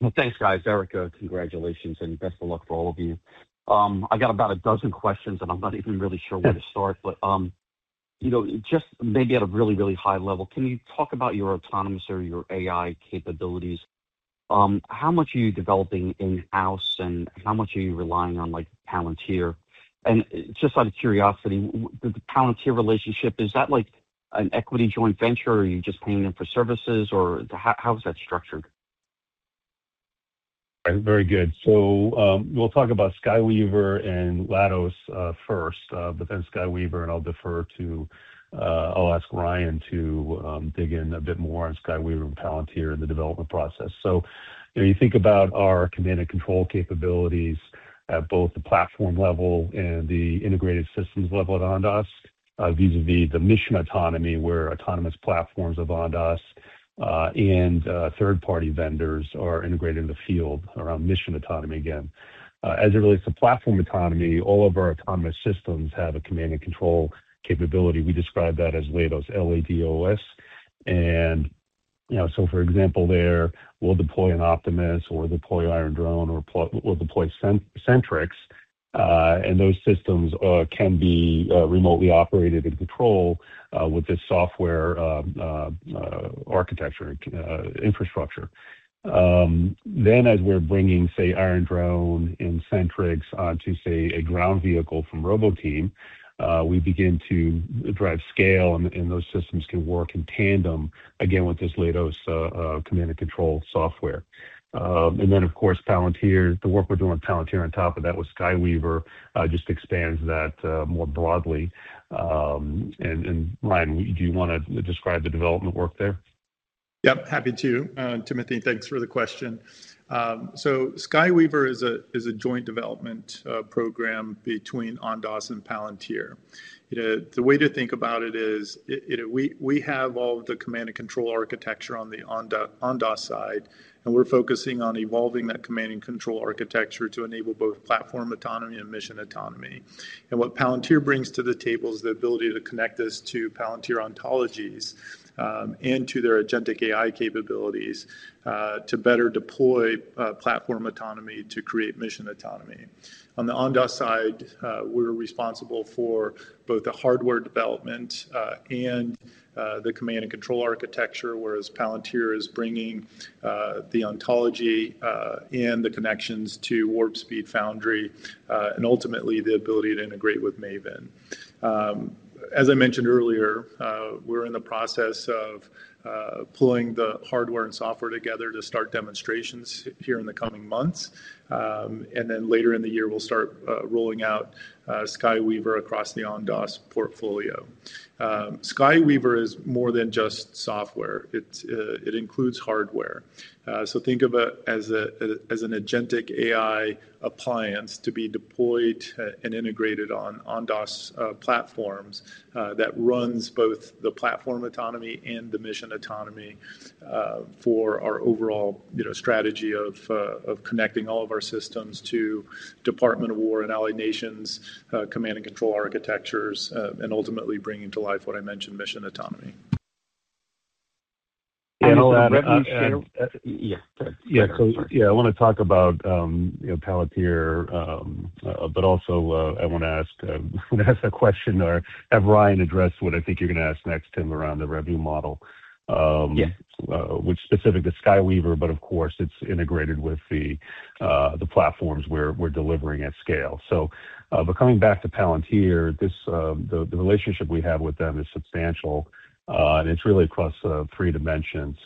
Well, thanks, guys. Eric, congratulations, and best of luck to all of you. I've got about a dozen questions, and I'm not even really sure where to start. Just maybe at a really high level, can you talk about your autonomous or your AI capabilities? How much are you developing in-house, and how much are you relying on Palantir? Just out of curiosity, the Palantir relationship, is that an equity joint venture, or are you just paying them for services, or how is that structured? Very good. We'll talk about SkyWeaver and Leidos first, but then SkyWeaver, and I'll ask Ryan to dig in a bit more on SkyWeaver and Palantir and the development process. You think about our command and control capabilities at both the platform level and the integrated systems level at Ondas, vis-a-vis the mission autonomy, where autonomous platforms of Ondas and third-party vendors are integrated in the field around mission autonomy again. As it relates to platform autonomy, all of our autonomous systems have a command and control capability. We describe that as Leidos, L-E-I-D-O-S. For example there, we'll deploy an Optimus or deploy Iron Drone or we'll deploy Sentrycs, and those systems can be remotely operated and controlled with this software architecture infrastructure. As we're bringing, say, Iron Drone and Sentrycs onto, say, a ground vehicle from Roboteam, we begin to drive scale, and those systems can work in tandem, again, with this Leidos command and control software. Of course, the work we're doing with Palantir on top of that with SkyWeaver just expands that more broadly. Ryan, do you want to describe the development work there? Yep, happy to. Timothy, thanks for the question. SkyWeaver is a joint development program between Ondas and Palantir. The way to think about it is we have all of the command and control architecture on the Ondas side, and we're focusing on evolving that command and control architecture to enable both platform autonomy and mission autonomy. What Palantir brings to the table is the ability to connect us to Palantir ontologies and to their agentic AI capabilities to better deploy platform autonomy to create mission autonomy. On the Ondas side, we're responsible for both the hardware development and the command and control architecture, whereas Palantir is bringing the ontology and the connections to Warp Speed Foundry, and ultimately, the ability to integrate with Maven. As I mentioned earlier, we're in the process of pulling the hardware and software together to start demonstrations here in the coming months. Later in the year, we'll start rolling out SkyWeaver across the Ondas portfolio. SkyWeaver is more than just software. It includes hardware. Think of it as an agentic AI appliance to be deployed and integrated on Ondas platforms that runs both the platform autonomy and the mission autonomy for our overall strategy of connecting all of our systems to Department of War and allied nations' command and control architectures, and ultimately bringing to life what I mentioned, mission autonomy. On revenue share? I want to talk about Palantir, but also I want to ask a question, or have Ryan address what I think you're going to ask next, Tim, around the revenue model. Yeah. Which specific to SkyWeaver, but of course, it's integrated with the platforms we're delivering at scale. Coming back to Palantir, the relationship we have with them is substantial, and it's really across three dimensions.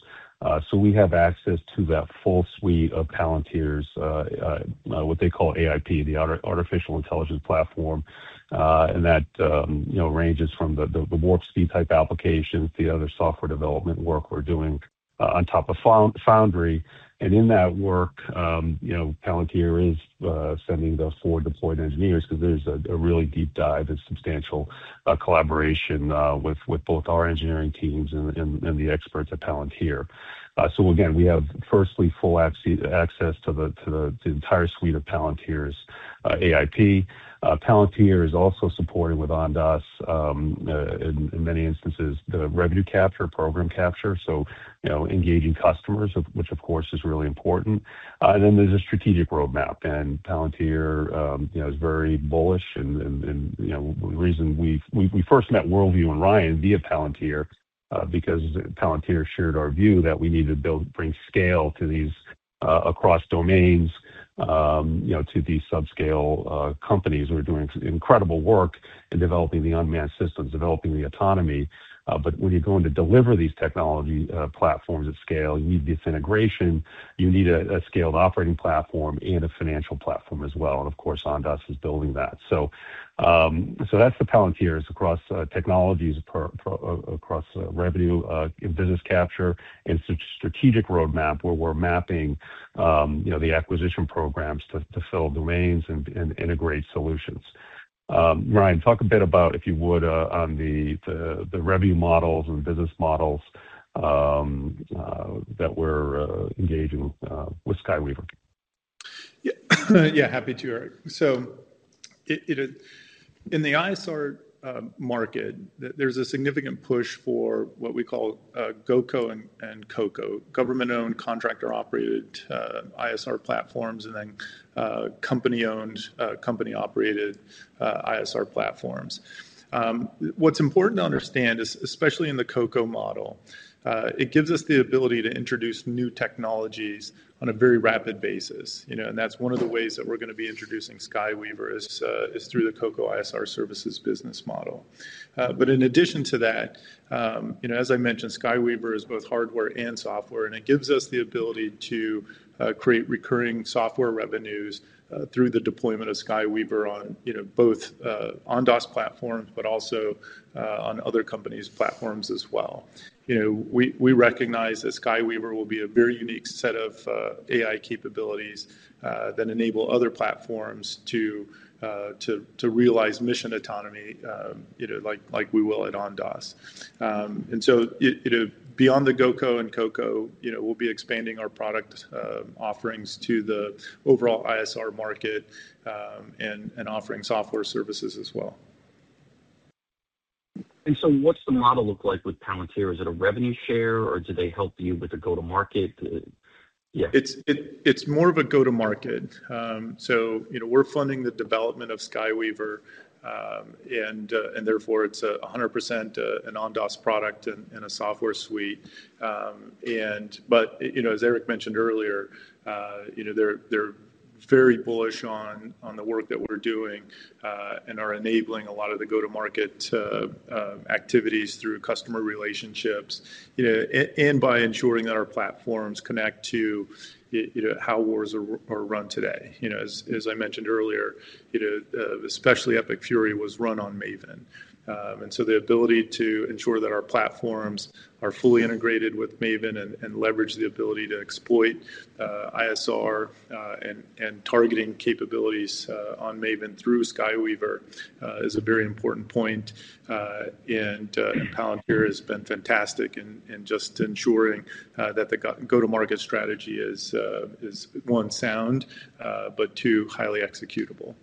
We have access to that full suite of Palantir's, what they call AIP, the Artificial Intelligence Platform. That ranges from the Warp Speed-type applications, the other software development work we're doing on top of Foundry. In that work, Palantir is sending those four deployed engineers because there's a really deep dive and substantial collaboration with both our engineering teams and the experts at Palantir. Again, we have firstly full access to the entire suite of Palantir's AIP. Palantir is also supporting with Ondas, in many instances, the revenue capture, program capture, so engaging customers, which of course is really important. There's a strategic roadmap, Palantir is very bullish, the reason we first met World View and Ryan via Palantir, because Palantir shared our view that we need to bring scale across domains, to these subscale companies who are doing incredible work in developing the unmanned systems, developing the autonomy. When you're going to deliver these technology platforms at scale, you need this integration. You need a scaled operating platform and a financial platform as well. Of course, Ondas is building that. That's the Palantirs across technologies, across revenue, business capture, and strategic roadmap, where we're mapping the acquisition programs to fill domains and integrate solutions. Ryan, talk a bit about, if you would, on the revenue models and business models that we're engaging with SkyWeaver. Happy to, Eric. In the ISR market, there's a significant push for what we call GOCO and COCO, government-owned, contractor-operated ISR platforms, and then company-owned, company-operated ISR platforms. What's important to understand is, especially in the COCO model, it gives us the ability to introduce new technologies on a very rapid basis. That's one of the ways that we're going to be introducing SkyWeaver is through the COCO ISR services business model. In addition to that, as I mentioned, SkyWeaver is both hardware and software, and it gives us the ability to create recurring software revenues through the deployment of SkyWeaver on both Ondas platforms but also on other companies' platforms as well. We recognize that SkyWeaver will be a very unique set of AI capabilities that enable other platforms to realize mission autonomy, like we will at Ondas. Beyond the GOCO and COCO, we'll be expanding our product offerings to the overall ISR market, and offering software services as well. What's the model look like with Palantir? Is it a revenue share, or do they help you with the go-to-market? Yeah. It's more of a go-to-market. We're funding the development of SkyWeaver, and therefore it's 100% an Ondas product and a software suite. As Eric mentioned earlier, they're very bullish on the work that we're doing, and are enabling a lot of the go-to-market activities through customer relationships, and by ensuring that our platforms connect to how wars are run today. As I mentioned earlier, especially Epic Fury was run on Maven. The ability to ensure that our platforms are fully integrated with Maven and leverage the ability to exploit ISR and targeting capabilities on Maven through SkyWeaver is a very important point, and Palantir has been fantastic in just ensuring that the go-to-market strategy is, one, sound, but two, highly executable.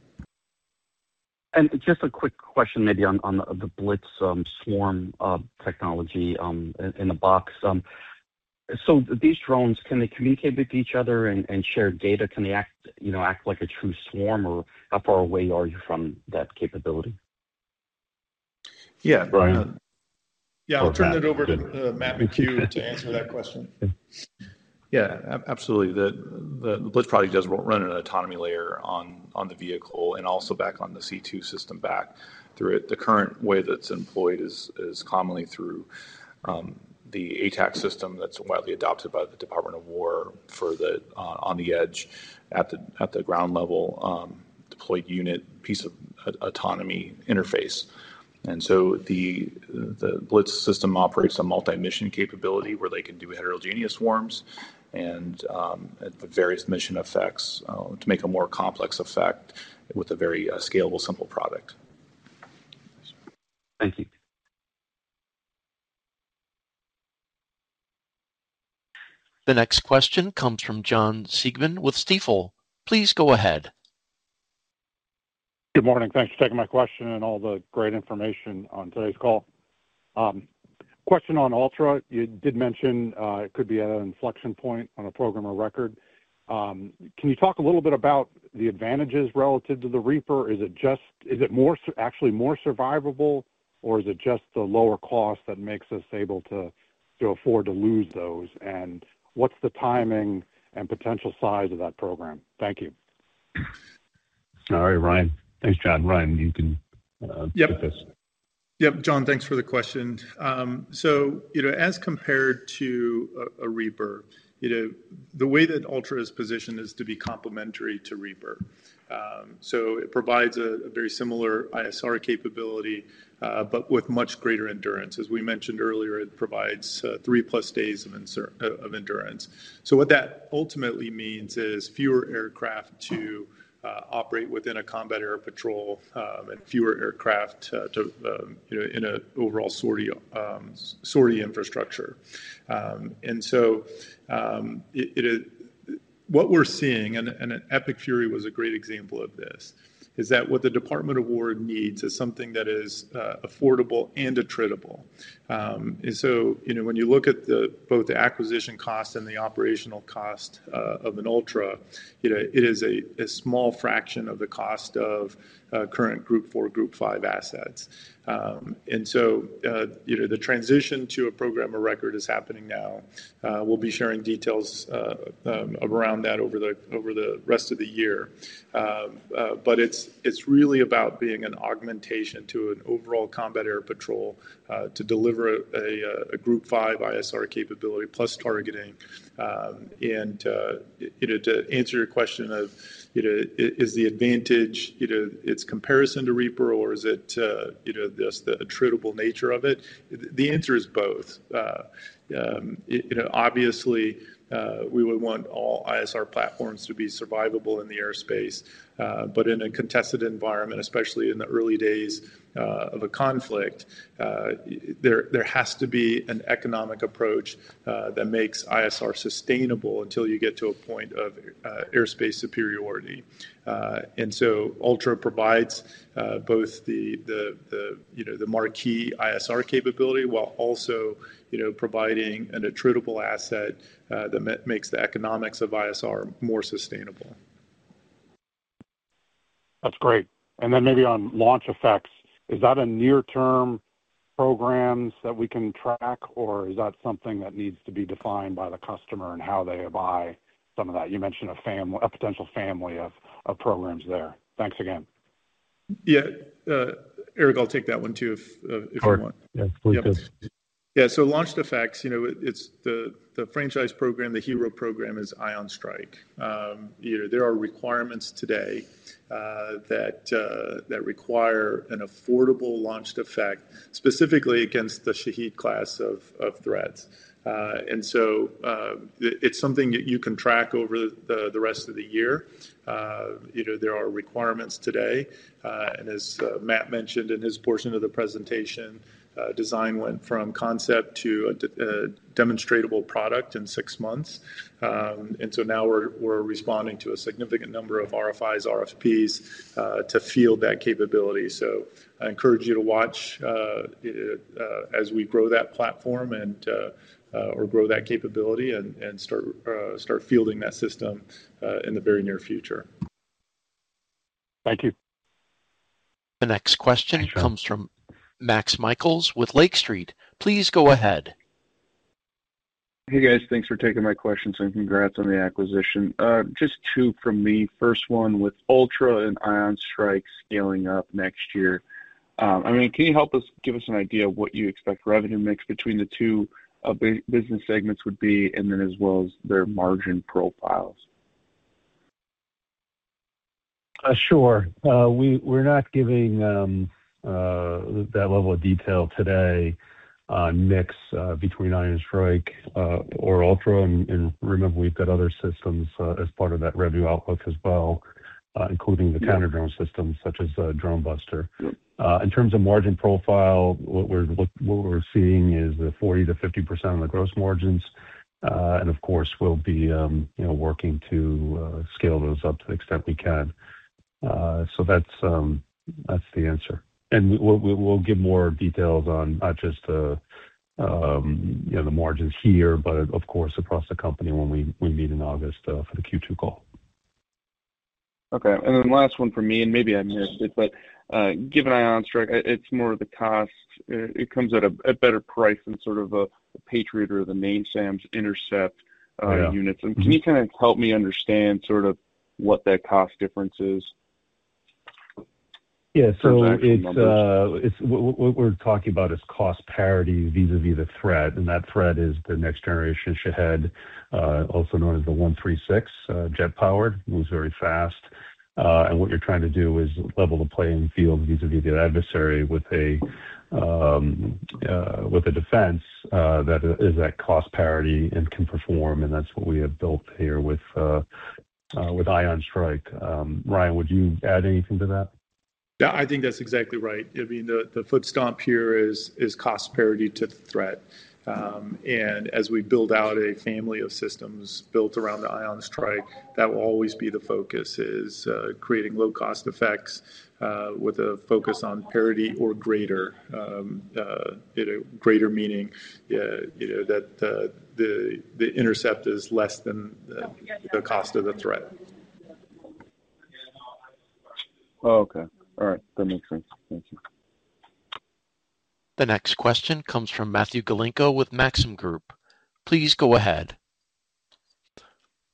Just a quick question, maybe, on the Blitz swarm technology in a box. These drones, can they communicate with each other and share data? Can they act like a true swarm, or how far away are you from that capability? Yeah. Ryan? Yeah. I'll turn it over to Matt McCue to answer that question. Okay. Yeah, absolutely. The Blitz probably does run an autonomy layer on the vehicle and also back on the C2 system back through it. The current way that it's employed is commonly through the ATAK system that's widely adopted by the Department of War for on the edge, at the ground level, deployed unit piece of autonomy interface. The Blitz system operates on multi-mission capability, where they can do heterogeneous swarms and the various mission effects to make a more complex effect with a very scalable, simple product. Thank you. The next question comes from Jon Siegmann with Stifel. Please go ahead Good morning. Thanks for taking my question and all the great information on today's call. Question on Ultra. You did mention it could be at an inflection point on a program or record. Can you talk a little bit about the advantages relative to the Reaper? Is it actually more survivable, or is it just the lower cost that makes us able to afford to lose those? What's the timing and potential size of that program? Thank you. All right, Ryan. Thanks, Jon. Ryan, you can take this. Yep. Jon, thanks for the question. As compared to a Reaper, the way that Ultra is positioned is to be complementary to Reaper. It provides a very similar ISR capability, but with much greater endurance. As we mentioned earlier, it provides three-plus days of endurance. What that ultimately means is fewer aircraft to operate within a combat air patrol, fewer aircraft in an overall sortie infrastructure. What we're seeing, and Epic Fury was a great example of this, is that what the Department of War needs is something that is affordable and attritable. When you look at both the acquisition cost and the operational cost of an Ultra, it is a small fraction of the cost of current Group 4, Group 5 assets. The transition to a program of record is happening now. We'll be sharing details around that over the rest of the year. It's really about being an augmentation to an overall combat air patrol, to deliver a Group 5 ISR capability plus targeting. To answer your question of is the advantage its comparison to Reaper or is it just the attritable nature of it? The answer is both. Obviously, we would want all ISR platforms to be survivable in the airspace. In a contested environment, especially in the early days of a conflict, there has to be an economic approach that makes ISR sustainable until you get to a point of airspace superiority. Ultra provides both the marquee ISR capability while also providing an attritable asset that makes the economics of ISR more sustainable. That's great. Maybe on launched effects, is that a near-term programs that we can track, or is that something that needs to be defined by the customer and how they buy some of that? You mentioned a potential family of programs there. Thanks again. Yeah. Eric, I'll take that one too, if you want. Sure. Yeah, please do. Yeah. Launched effects, it's the franchise program. The hero program is IonStrike. There are requirements today that require an affordable launched effect, specifically against the Shahed class of threats. It's something that you can track over the rest of the year. There are requirements today, and as Matt mentioned in his portion of the presentation, DZYNE went from concept to a demonstrable product in six months. Now we're responding to a significant number of RFIs, RFPs to field that capability. I encourage you to watch as we grow that platform or grow that capability and start fielding that system in the very near future. Thank you. The next question comes from Max Michaelis with Lake Street. Please go ahead. Hey, guys. Thanks for taking my questions, and congrats on the acquisition. Just two from me. First one with Ultra and IonStrike scaling up next year. Can you help give us an idea of what you expect revenue mix between the two business segments would be, as well as their margin profiles? Sure. We're not giving that level of detail today on mix between IonStrike or Ultra, and remember, we've got other systems as part of that revenue outlook as well, including the counter-drone systems such as Dronebuster. Yep. In terms of margin profile, what we're seeing is the 40%-50% on the gross margins. Of course, we'll be working to scale those up to the extent we can. That's the answer. We'll give more details on not just the margins here, but of course across the company when we meet in August for the Q2 call. Okay. Then last one from me, and maybe I missed it, but given IonStrike, it's more of the cost. It comes at a better price than sort of a Patriot or the main SAM intercept units. Yeah. Can you kind of help me understand sort of what that cost difference is? Yeah. In actual numbers. What we're talking about is cost parity vis-à-vis the threat. That threat is the next generation Shahed, also known as the 136. Jet powered, moves very fast. What you're trying to do is level the playing field vis-à-vis the adversary with a defense that is at cost parity and can perform, and that's what we have built here With IonStrike. Ryan, would you add anything to that? Yeah, I think that's exactly right. The foot stomp here is cost parity to the threat. As we build out a family of systems built around the IonStrike, that will always be the focus, is creating low-cost effects with a focus on parity or greater. Greater meaning that the intercept is less than the cost of the threat. Okay. All right. That makes sense. Thank you. The next question comes from Matthew Galinko with Maxim Group. Please go ahead.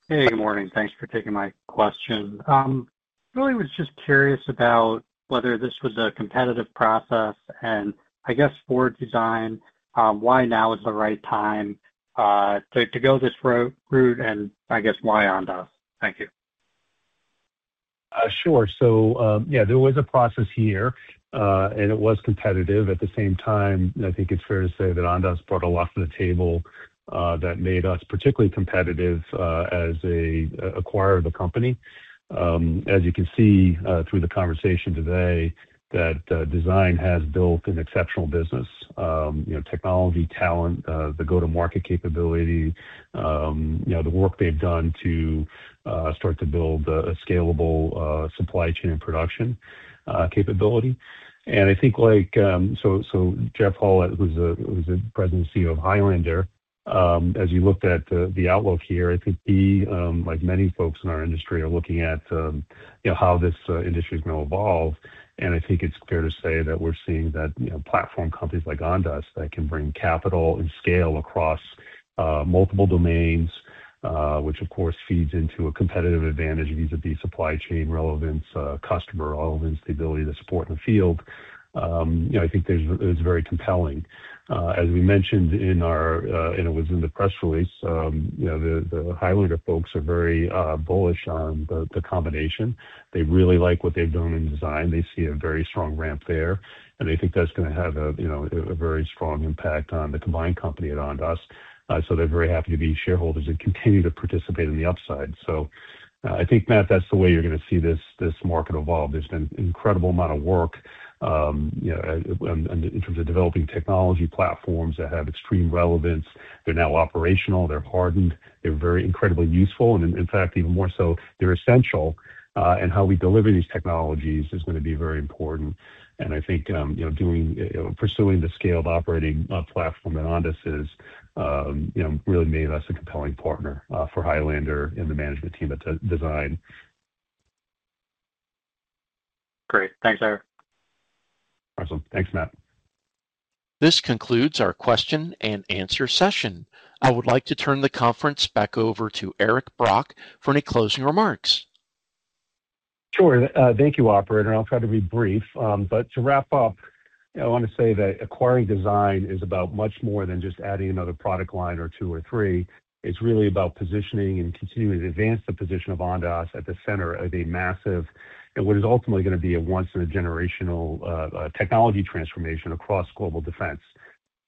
Hey, good morning. Thanks for taking my question. Really was just curious about whether this was a competitive process and I guess for DZYNE, why now is the right time to go this route and, I guess, why Ondas? Thank you. Yeah, there was a process here. It was competitive. At the same time, I think it's fair to say that Ondas brought a lot to the table that made us particularly competitive as a acquirer of the company. As you can see through the conversation today, that DZYNE has built an exceptional business. Technology, talent, the go-to-market capability, the work they've done to start to build a scalable supply chain and production capability. Jeff Hull, who's the president and CEO of Highlander, as you looked at the outlook here, I think he, like many folks in our industry, are looking at how this industry is going to evolve. I think it's fair to say that we're seeing that platform companies like Ondas that can bring capital and scale across multiple domains, which of course feeds into a competitive advantage vis-a-vis supply chain relevance, customer relevance, the ability to support in the field. I think it's very compelling. As we mentioned, and it was in the press release, the Highlander folks are very bullish on the combination. They really like what they've done in DZYNE. They see a very strong ramp there, and they think that's going to have a very strong impact on the combined company at Ondas. They're very happy to be shareholders and continue to participate in the upside. I think, Matt, that's the way you're going to see this market evolve. There's been an incredible amount of work in terms of developing technology platforms that have extreme relevance. They're now operational, they're hardened, they're very incredibly useful, and in fact, even more so, they're essential. How we deliver these technologies is going to be very important. I think pursuing the scaled operating platform at Ondas has really made us a compelling partner for Highlander and the management team at DZYNE. Great. Thanks, Eric. Awesome. Thanks, Matt. This concludes our question and answer session. I would like to turn the conference back over to Eric Brock for any closing remarks. Sure. Thank you, operator. I'll try to be brief. To wrap up, I want to say that acquiring DZYNE is about much more than just adding another product line or two or three. It's really about positioning and continuing to advance the position of Ondas at the center of a massive, and what is ultimately going to be a once in a generational technology transformation across global defense.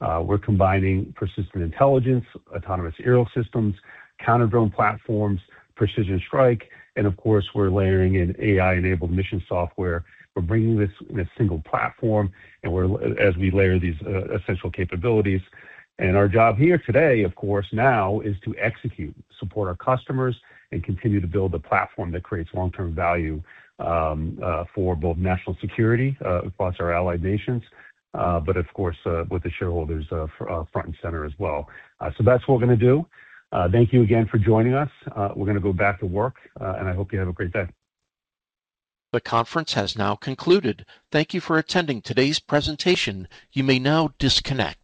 We're combining persistent intelligence, autonomous aerial systems, counter-drone platforms, precision strike, and of course, we're layering in AI-enabled mission software. We're bringing this in a single platform, as we layer these essential capabilities. Our job here today, of course, now, is to execute, support our customers, and continue to build a platform that creates long-term value for both national security across our allied nations. Of course, with the shareholders front and center as well. That's what we're going to do. Thank you again for joining us. We're going to go back to work, and I hope you have a great day. The conference has now concluded. Thank you for attending today's presentation. You may now disconnect.